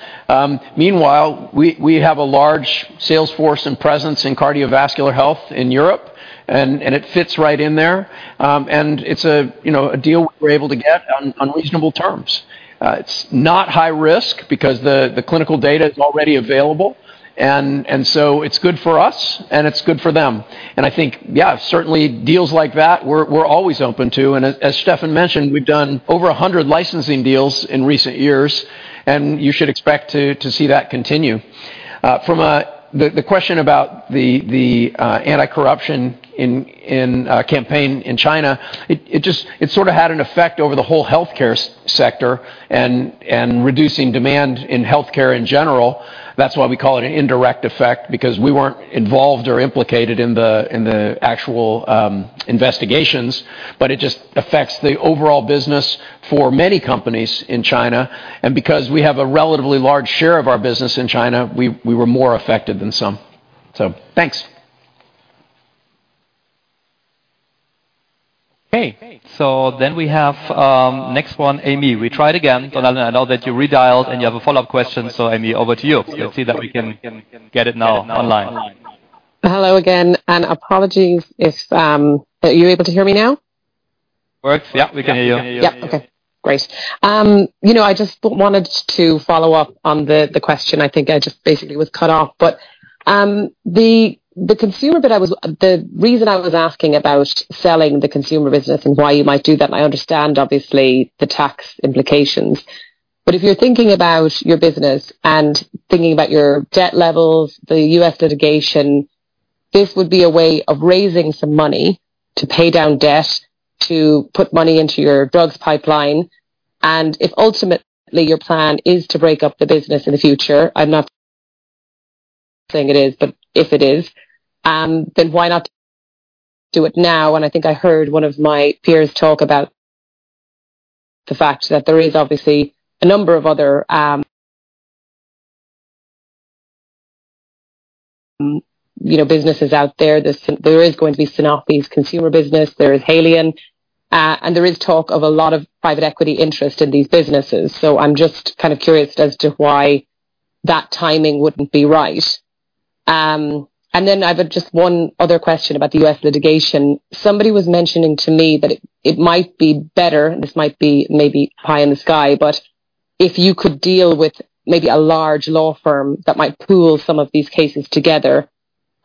Meanwhile, we have a large sales force and presence in cardiovascular health in Europe, and it fits right in there. And it's a, you know, a deal we were able to get on reasonable terms. It's not high risk because the clinical data is already available, and so it's good for us, and it's good for them. I think, yeah, certainly deals like that, we're always open to, and as Stefan mentioned, we've done over 100 licensing deals in recent years, and you should expect to see that continue. From the question about the anti-corruption campaign in China, it just sort of had an effect over the whole healthcare sector and reducing demand in healthcare in general. That's why we call it an indirect effect, because we weren't involved or implicated in the actual investigations, but it just affects the overall business for many companies in China, and because we have a relatively large share of our business in China, we were more affected than some. So thanks. Okay. So then we have, next one, Aimee. We tried again, so I know that you redialed, and you have a follow-up question, so Aimee, over to you. Let's see that we can get it now online. Hello again, and apologies if... Are you able to hear me now? Works? Yeah, we can hear you. Yeah. Okay, great. You know, I just wanted to follow up on the question. I think I just basically was cut off. But the consumer bit, the reason I was asking about selling the consumer business and why you might do that, and I understand, obviously, the tax implications. But if you're thinking about your business and thinking about your debt levels, the U.S. litigation, this would be a way of raising some money to pay down debt, to put money into your drugs pipeline. And if ultimately, your plan is to break up the business in the future, I'm not saying it is, but if it is, then why not do it now? And I think I heard one of my peers talk about the fact that there is obviously a number of other, you know, businesses out there. There's... There is going to be Sanofi's consumer business, there is Haleon, and there is talk of a lot of private equity interest in these businesses. So I'm just kind of curious as to why that timing wouldn't be right. And then I have just one other question about the U.S. litigation. Somebody was mentioning to me that it might be better, this might be maybe pie in the sky, but if you could deal with maybe a large law firm that might pool some of these cases together,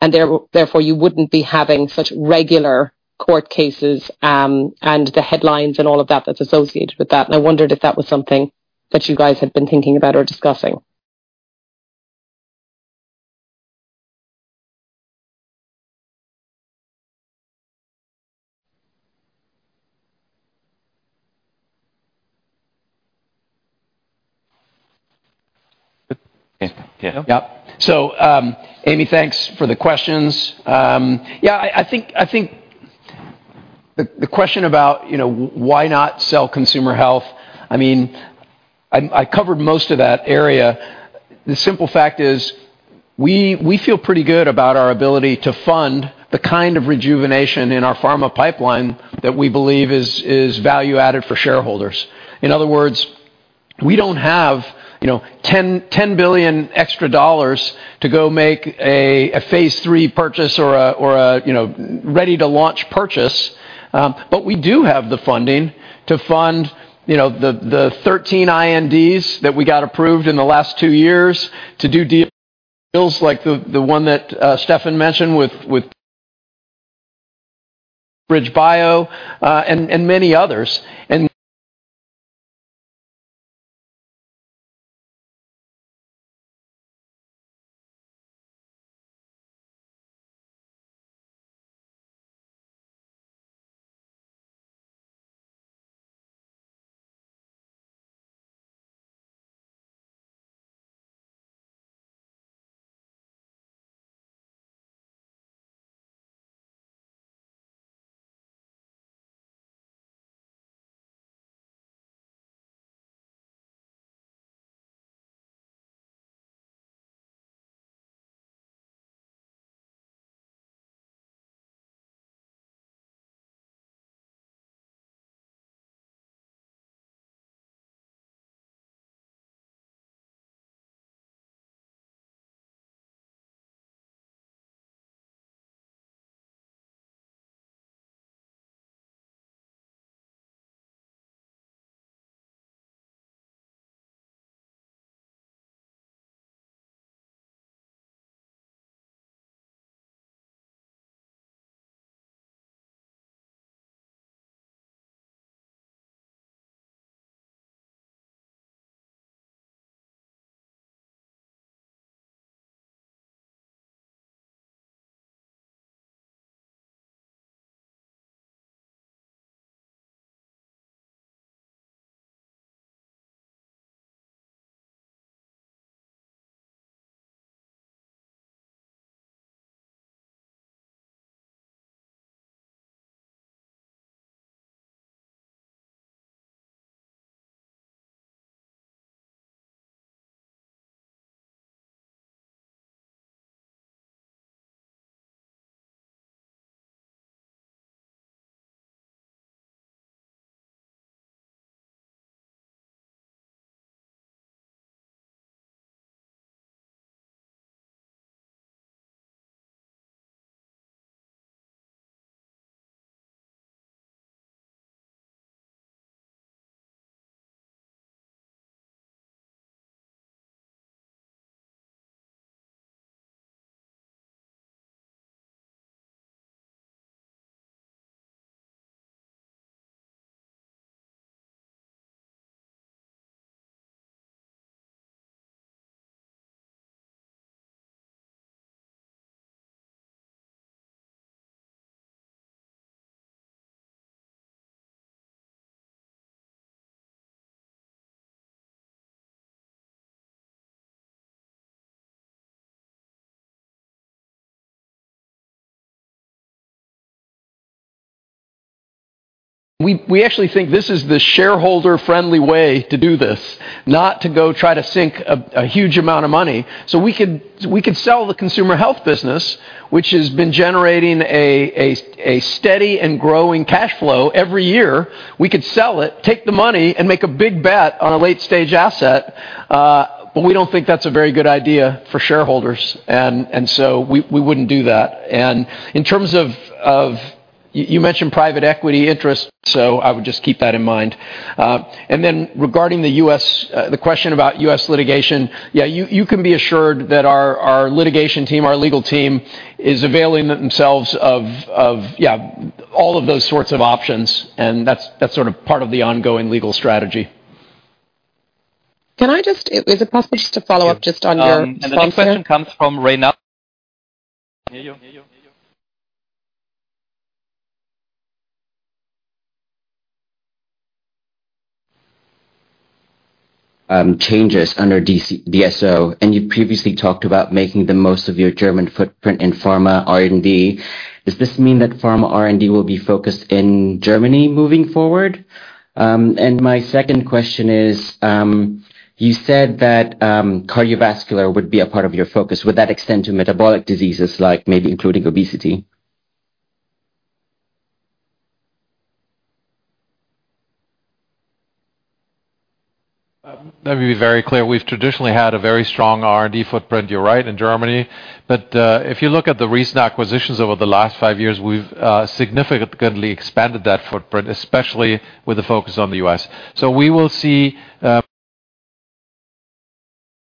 and therefore, you wouldn't be having such regular court cases, and the headlines and all of that that's associated with that. And I wondered if that was something that you guys had been thinking about or discussing. Yeah. So, Aimee, thanks for the questions. Yeah, I think the question about, you know, why not sell Consumer Health, I mean, I covered most of that area. The simple fact is, we feel pretty good about our ability to fund the kind of rejuvenation in our Pharma pipeline that we believe is value-added for shareholders. In other words, we don't have, you know, $10 billion extra dollars to go make a phase III purchase or a you know ready-to-launch purchase... But we do have the funding to fund you know the 13 INDs that we got approved in the last two years to do deals like the one that Stefan mentioned with BridgeBio and many others. Can I just, is it possible just to follow up just on your sponsor? And the next question comes from Rayna. Changes under DSO, and you previously talked about making the most of your German footprint in Pharma R&D. Does this mean that Pharma R&D will be focused in Germany moving forward? And my second question is, you said that cardiovascular would be a part of your focus. Would that extend to metabolic diseases, like maybe including obesity? Let me be very clear. We've traditionally had a very strong R&D footprint, you're right, in Germany. But, if you look at the recent acquisitions over the last five years, we've, significantly expanded that footprint, especially with the focus on the U.S. So we will see...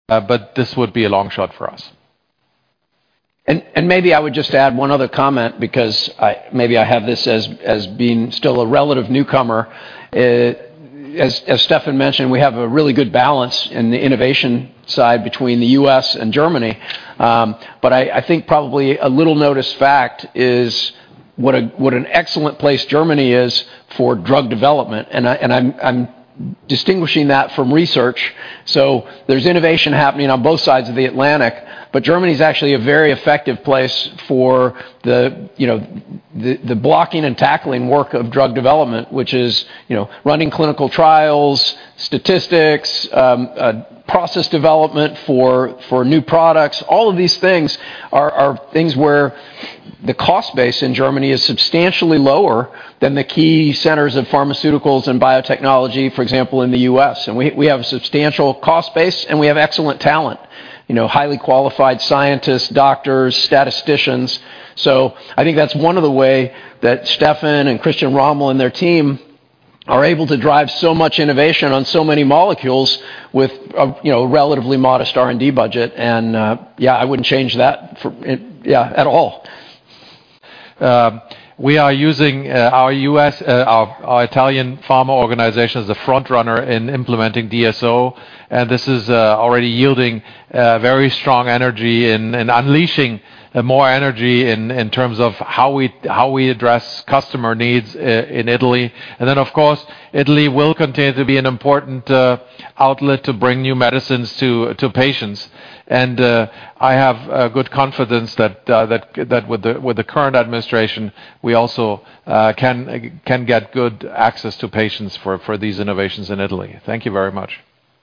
But this would be a long shot for us. Maybe I would just add one other comment because I have this as being still a relative newcomer. As Stefan mentioned, we have a really good balance in the innovation side between the U.S. and Germany. But I think probably a little-noticed fact is what an excellent place Germany is for drug development, and I'm distinguishing that from research. So there's innovation happening on both sides of the Atlantic, but Germany is actually a very effective place for the, you know, the blocking and tackling work of drug development, which is, you know, running clinical trials, statistics, process development for new products. All of these things are things where the cost base in Germany is substantially lower than the key centers of Pharmaceuticals and biotechnology, for example, in the U.S. We have a substantial cost base, and we have excellent talent, you know, highly qualified scientists, doctors, statisticians. So I think that's one of the way that Stefan and Christian Rommel and their team are able to drive so much innovation on so many molecules with, you know, relatively modest R&D budget. And, yeah, I wouldn't change that for, yeah, at all. We are using our Italian Pharma organization as the front runner in implementing DSO, and this is already yielding very strong energy and unleashing more energy in terms of how we address customer needs in Italy. And then, of course, Italy will continue to be an important outlet to bring new medicines to patients. And I have good confidence that with the current administration, we also can get good access to patients for these innovations in Italy. Thank you very much.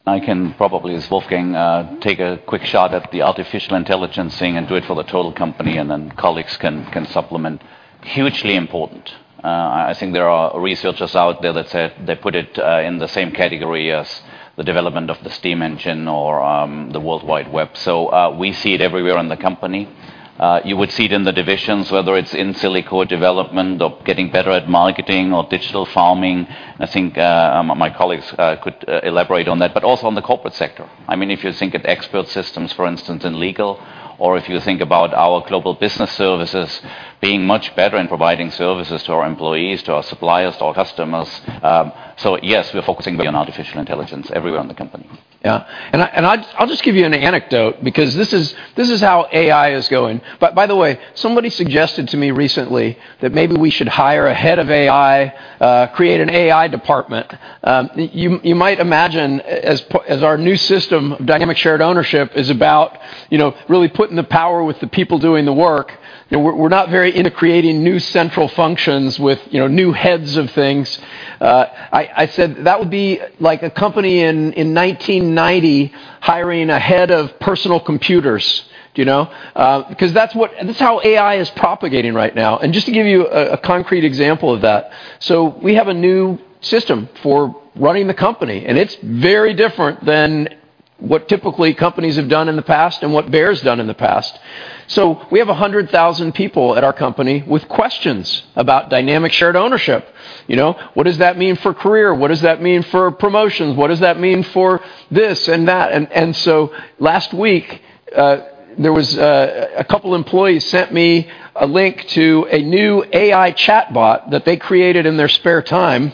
I can probably, as Wolfgang, take a quick shot at the artificial intelligence thing and do it for the total company, and then colleagues can supplement. Hugely important. I think there are researchers out there that say they put it in the same category as the development of the steam engine or the World Wide Web. So, we see it everywhere in the company. You would see it in the divisions, whether it's in silico development or getting better at marketing or digital farming. I think my colleagues could elaborate on that, but also on the corporate sector. I mean, if you think of expert systems, for instance, in legal, or if you think about our global business services being much better in providing services to our employees, to our suppliers, to our customers. So yes, we are focusing on artificial intelligence everywhere in the company. Yeah. I'd just give you an anecdote because this is how AI is going. But by the way, somebody suggested to me recently that maybe we should hire a head of AI, create an AI department. You might imagine as our new system, Dynamic Shared Ownership, is about, you know, really putting the power with the people doing the work, we're not very into creating new central functions with, you know, new heads of things. I said that would be like a company in 1990 hiring a head of personal computers, do you know? Because that's what... That's how AI is propagating right now. Just to give you a concrete example of that: so we have a new system for running the company, and it's very different than what typically companies have done in the past and what Bayer's done in the past. So we have 100,000 people at our company with questions about Dynamic Shared Ownership. You know, what does that mean for career? What does that mean for promotions? What does that mean for this and that? And so last week, there was a couple employees sent me a link to a new AI chatbot that they created in their spare time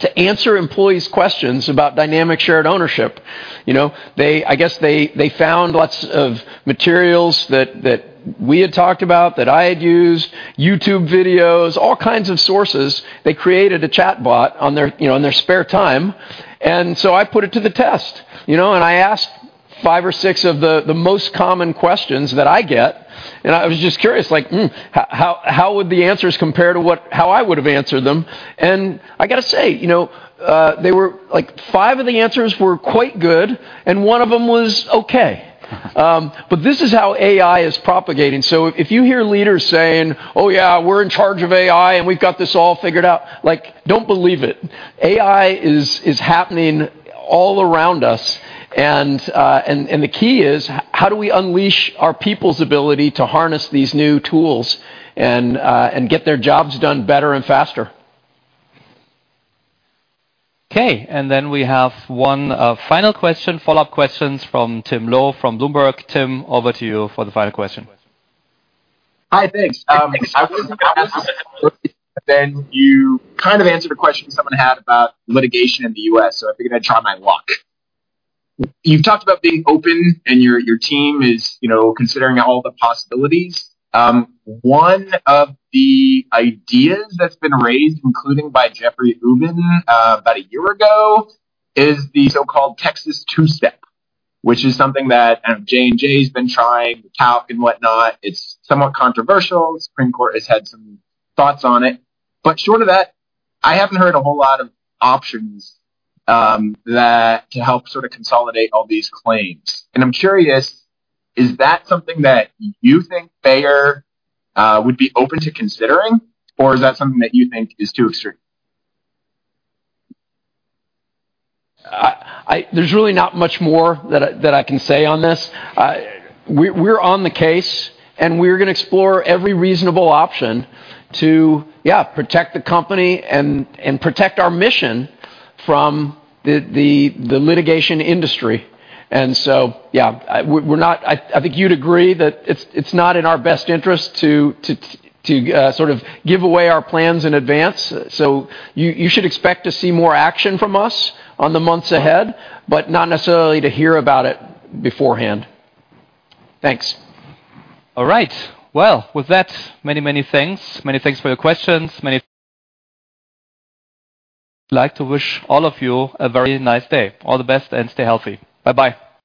to answer employees' questions about Dynamic Shared Ownership. You know, they, I guess, they found lots of materials that we had talked about, that I had used, YouTube videos, all kinds of sources. They created a chatbot on their, you know, on their spare time. So I put it to the test, you know, and I asked 5 or 6 of the most common questions that I get, and I was just curious, like, "Hmm, how would the answers compare to how I would have answered them?" And I got to say, you know, they were—like, 5 of the answers were quite good, and 1 of them was okay. But this is how AI is propagating. So if you hear leaders saying, "Oh, yeah, we're in charge of AI, and we've got this all figured out," like, don't believe it. AI is happening all around us, and the key is: how do we unleash our people's ability to harness these new tools and get their jobs done better and faster? Okay, and then we have one final question, follow-up questions from Tim Loh from Bloomberg. Tim, over to you for the final question. Hi, thanks. Then you kind of answered the question someone had about litigation in the U.S., so I figured I'd try my luck. You've talked about being open, and your team is, you know, considering all the possibilities. One of the ideas that's been raised, including by Jeffrey Ubben, about a year ago, is the so-called Texas Two-Step, which is something that, J&J's been trying, talc and whatnot. It's somewhat controversial. Supreme Court has had some thoughts on it. But short of that, I haven't heard a whole lot of options, that to help sort of consolidate all these claims. And I'm curious, is that something that you think Bayer would be open to considering, or is that something that you think is too extreme? There's really not much more that I can say on this. We're on the case, and we're gonna explore every reasonable option to protect the company and protect our mission from the litigation industry. So, we're not. I think you'd agree that it's not in our best interest to sort of give away our plans in advance. So you should expect to see more action from us in the months ahead, but not necessarily to hear about it beforehand. Thanks. All right. Well, with that, many, many thanks. Many thanks for your questions. Many... Like to wish all of you a very nice day. All the best, and stay healthy. Bye-bye.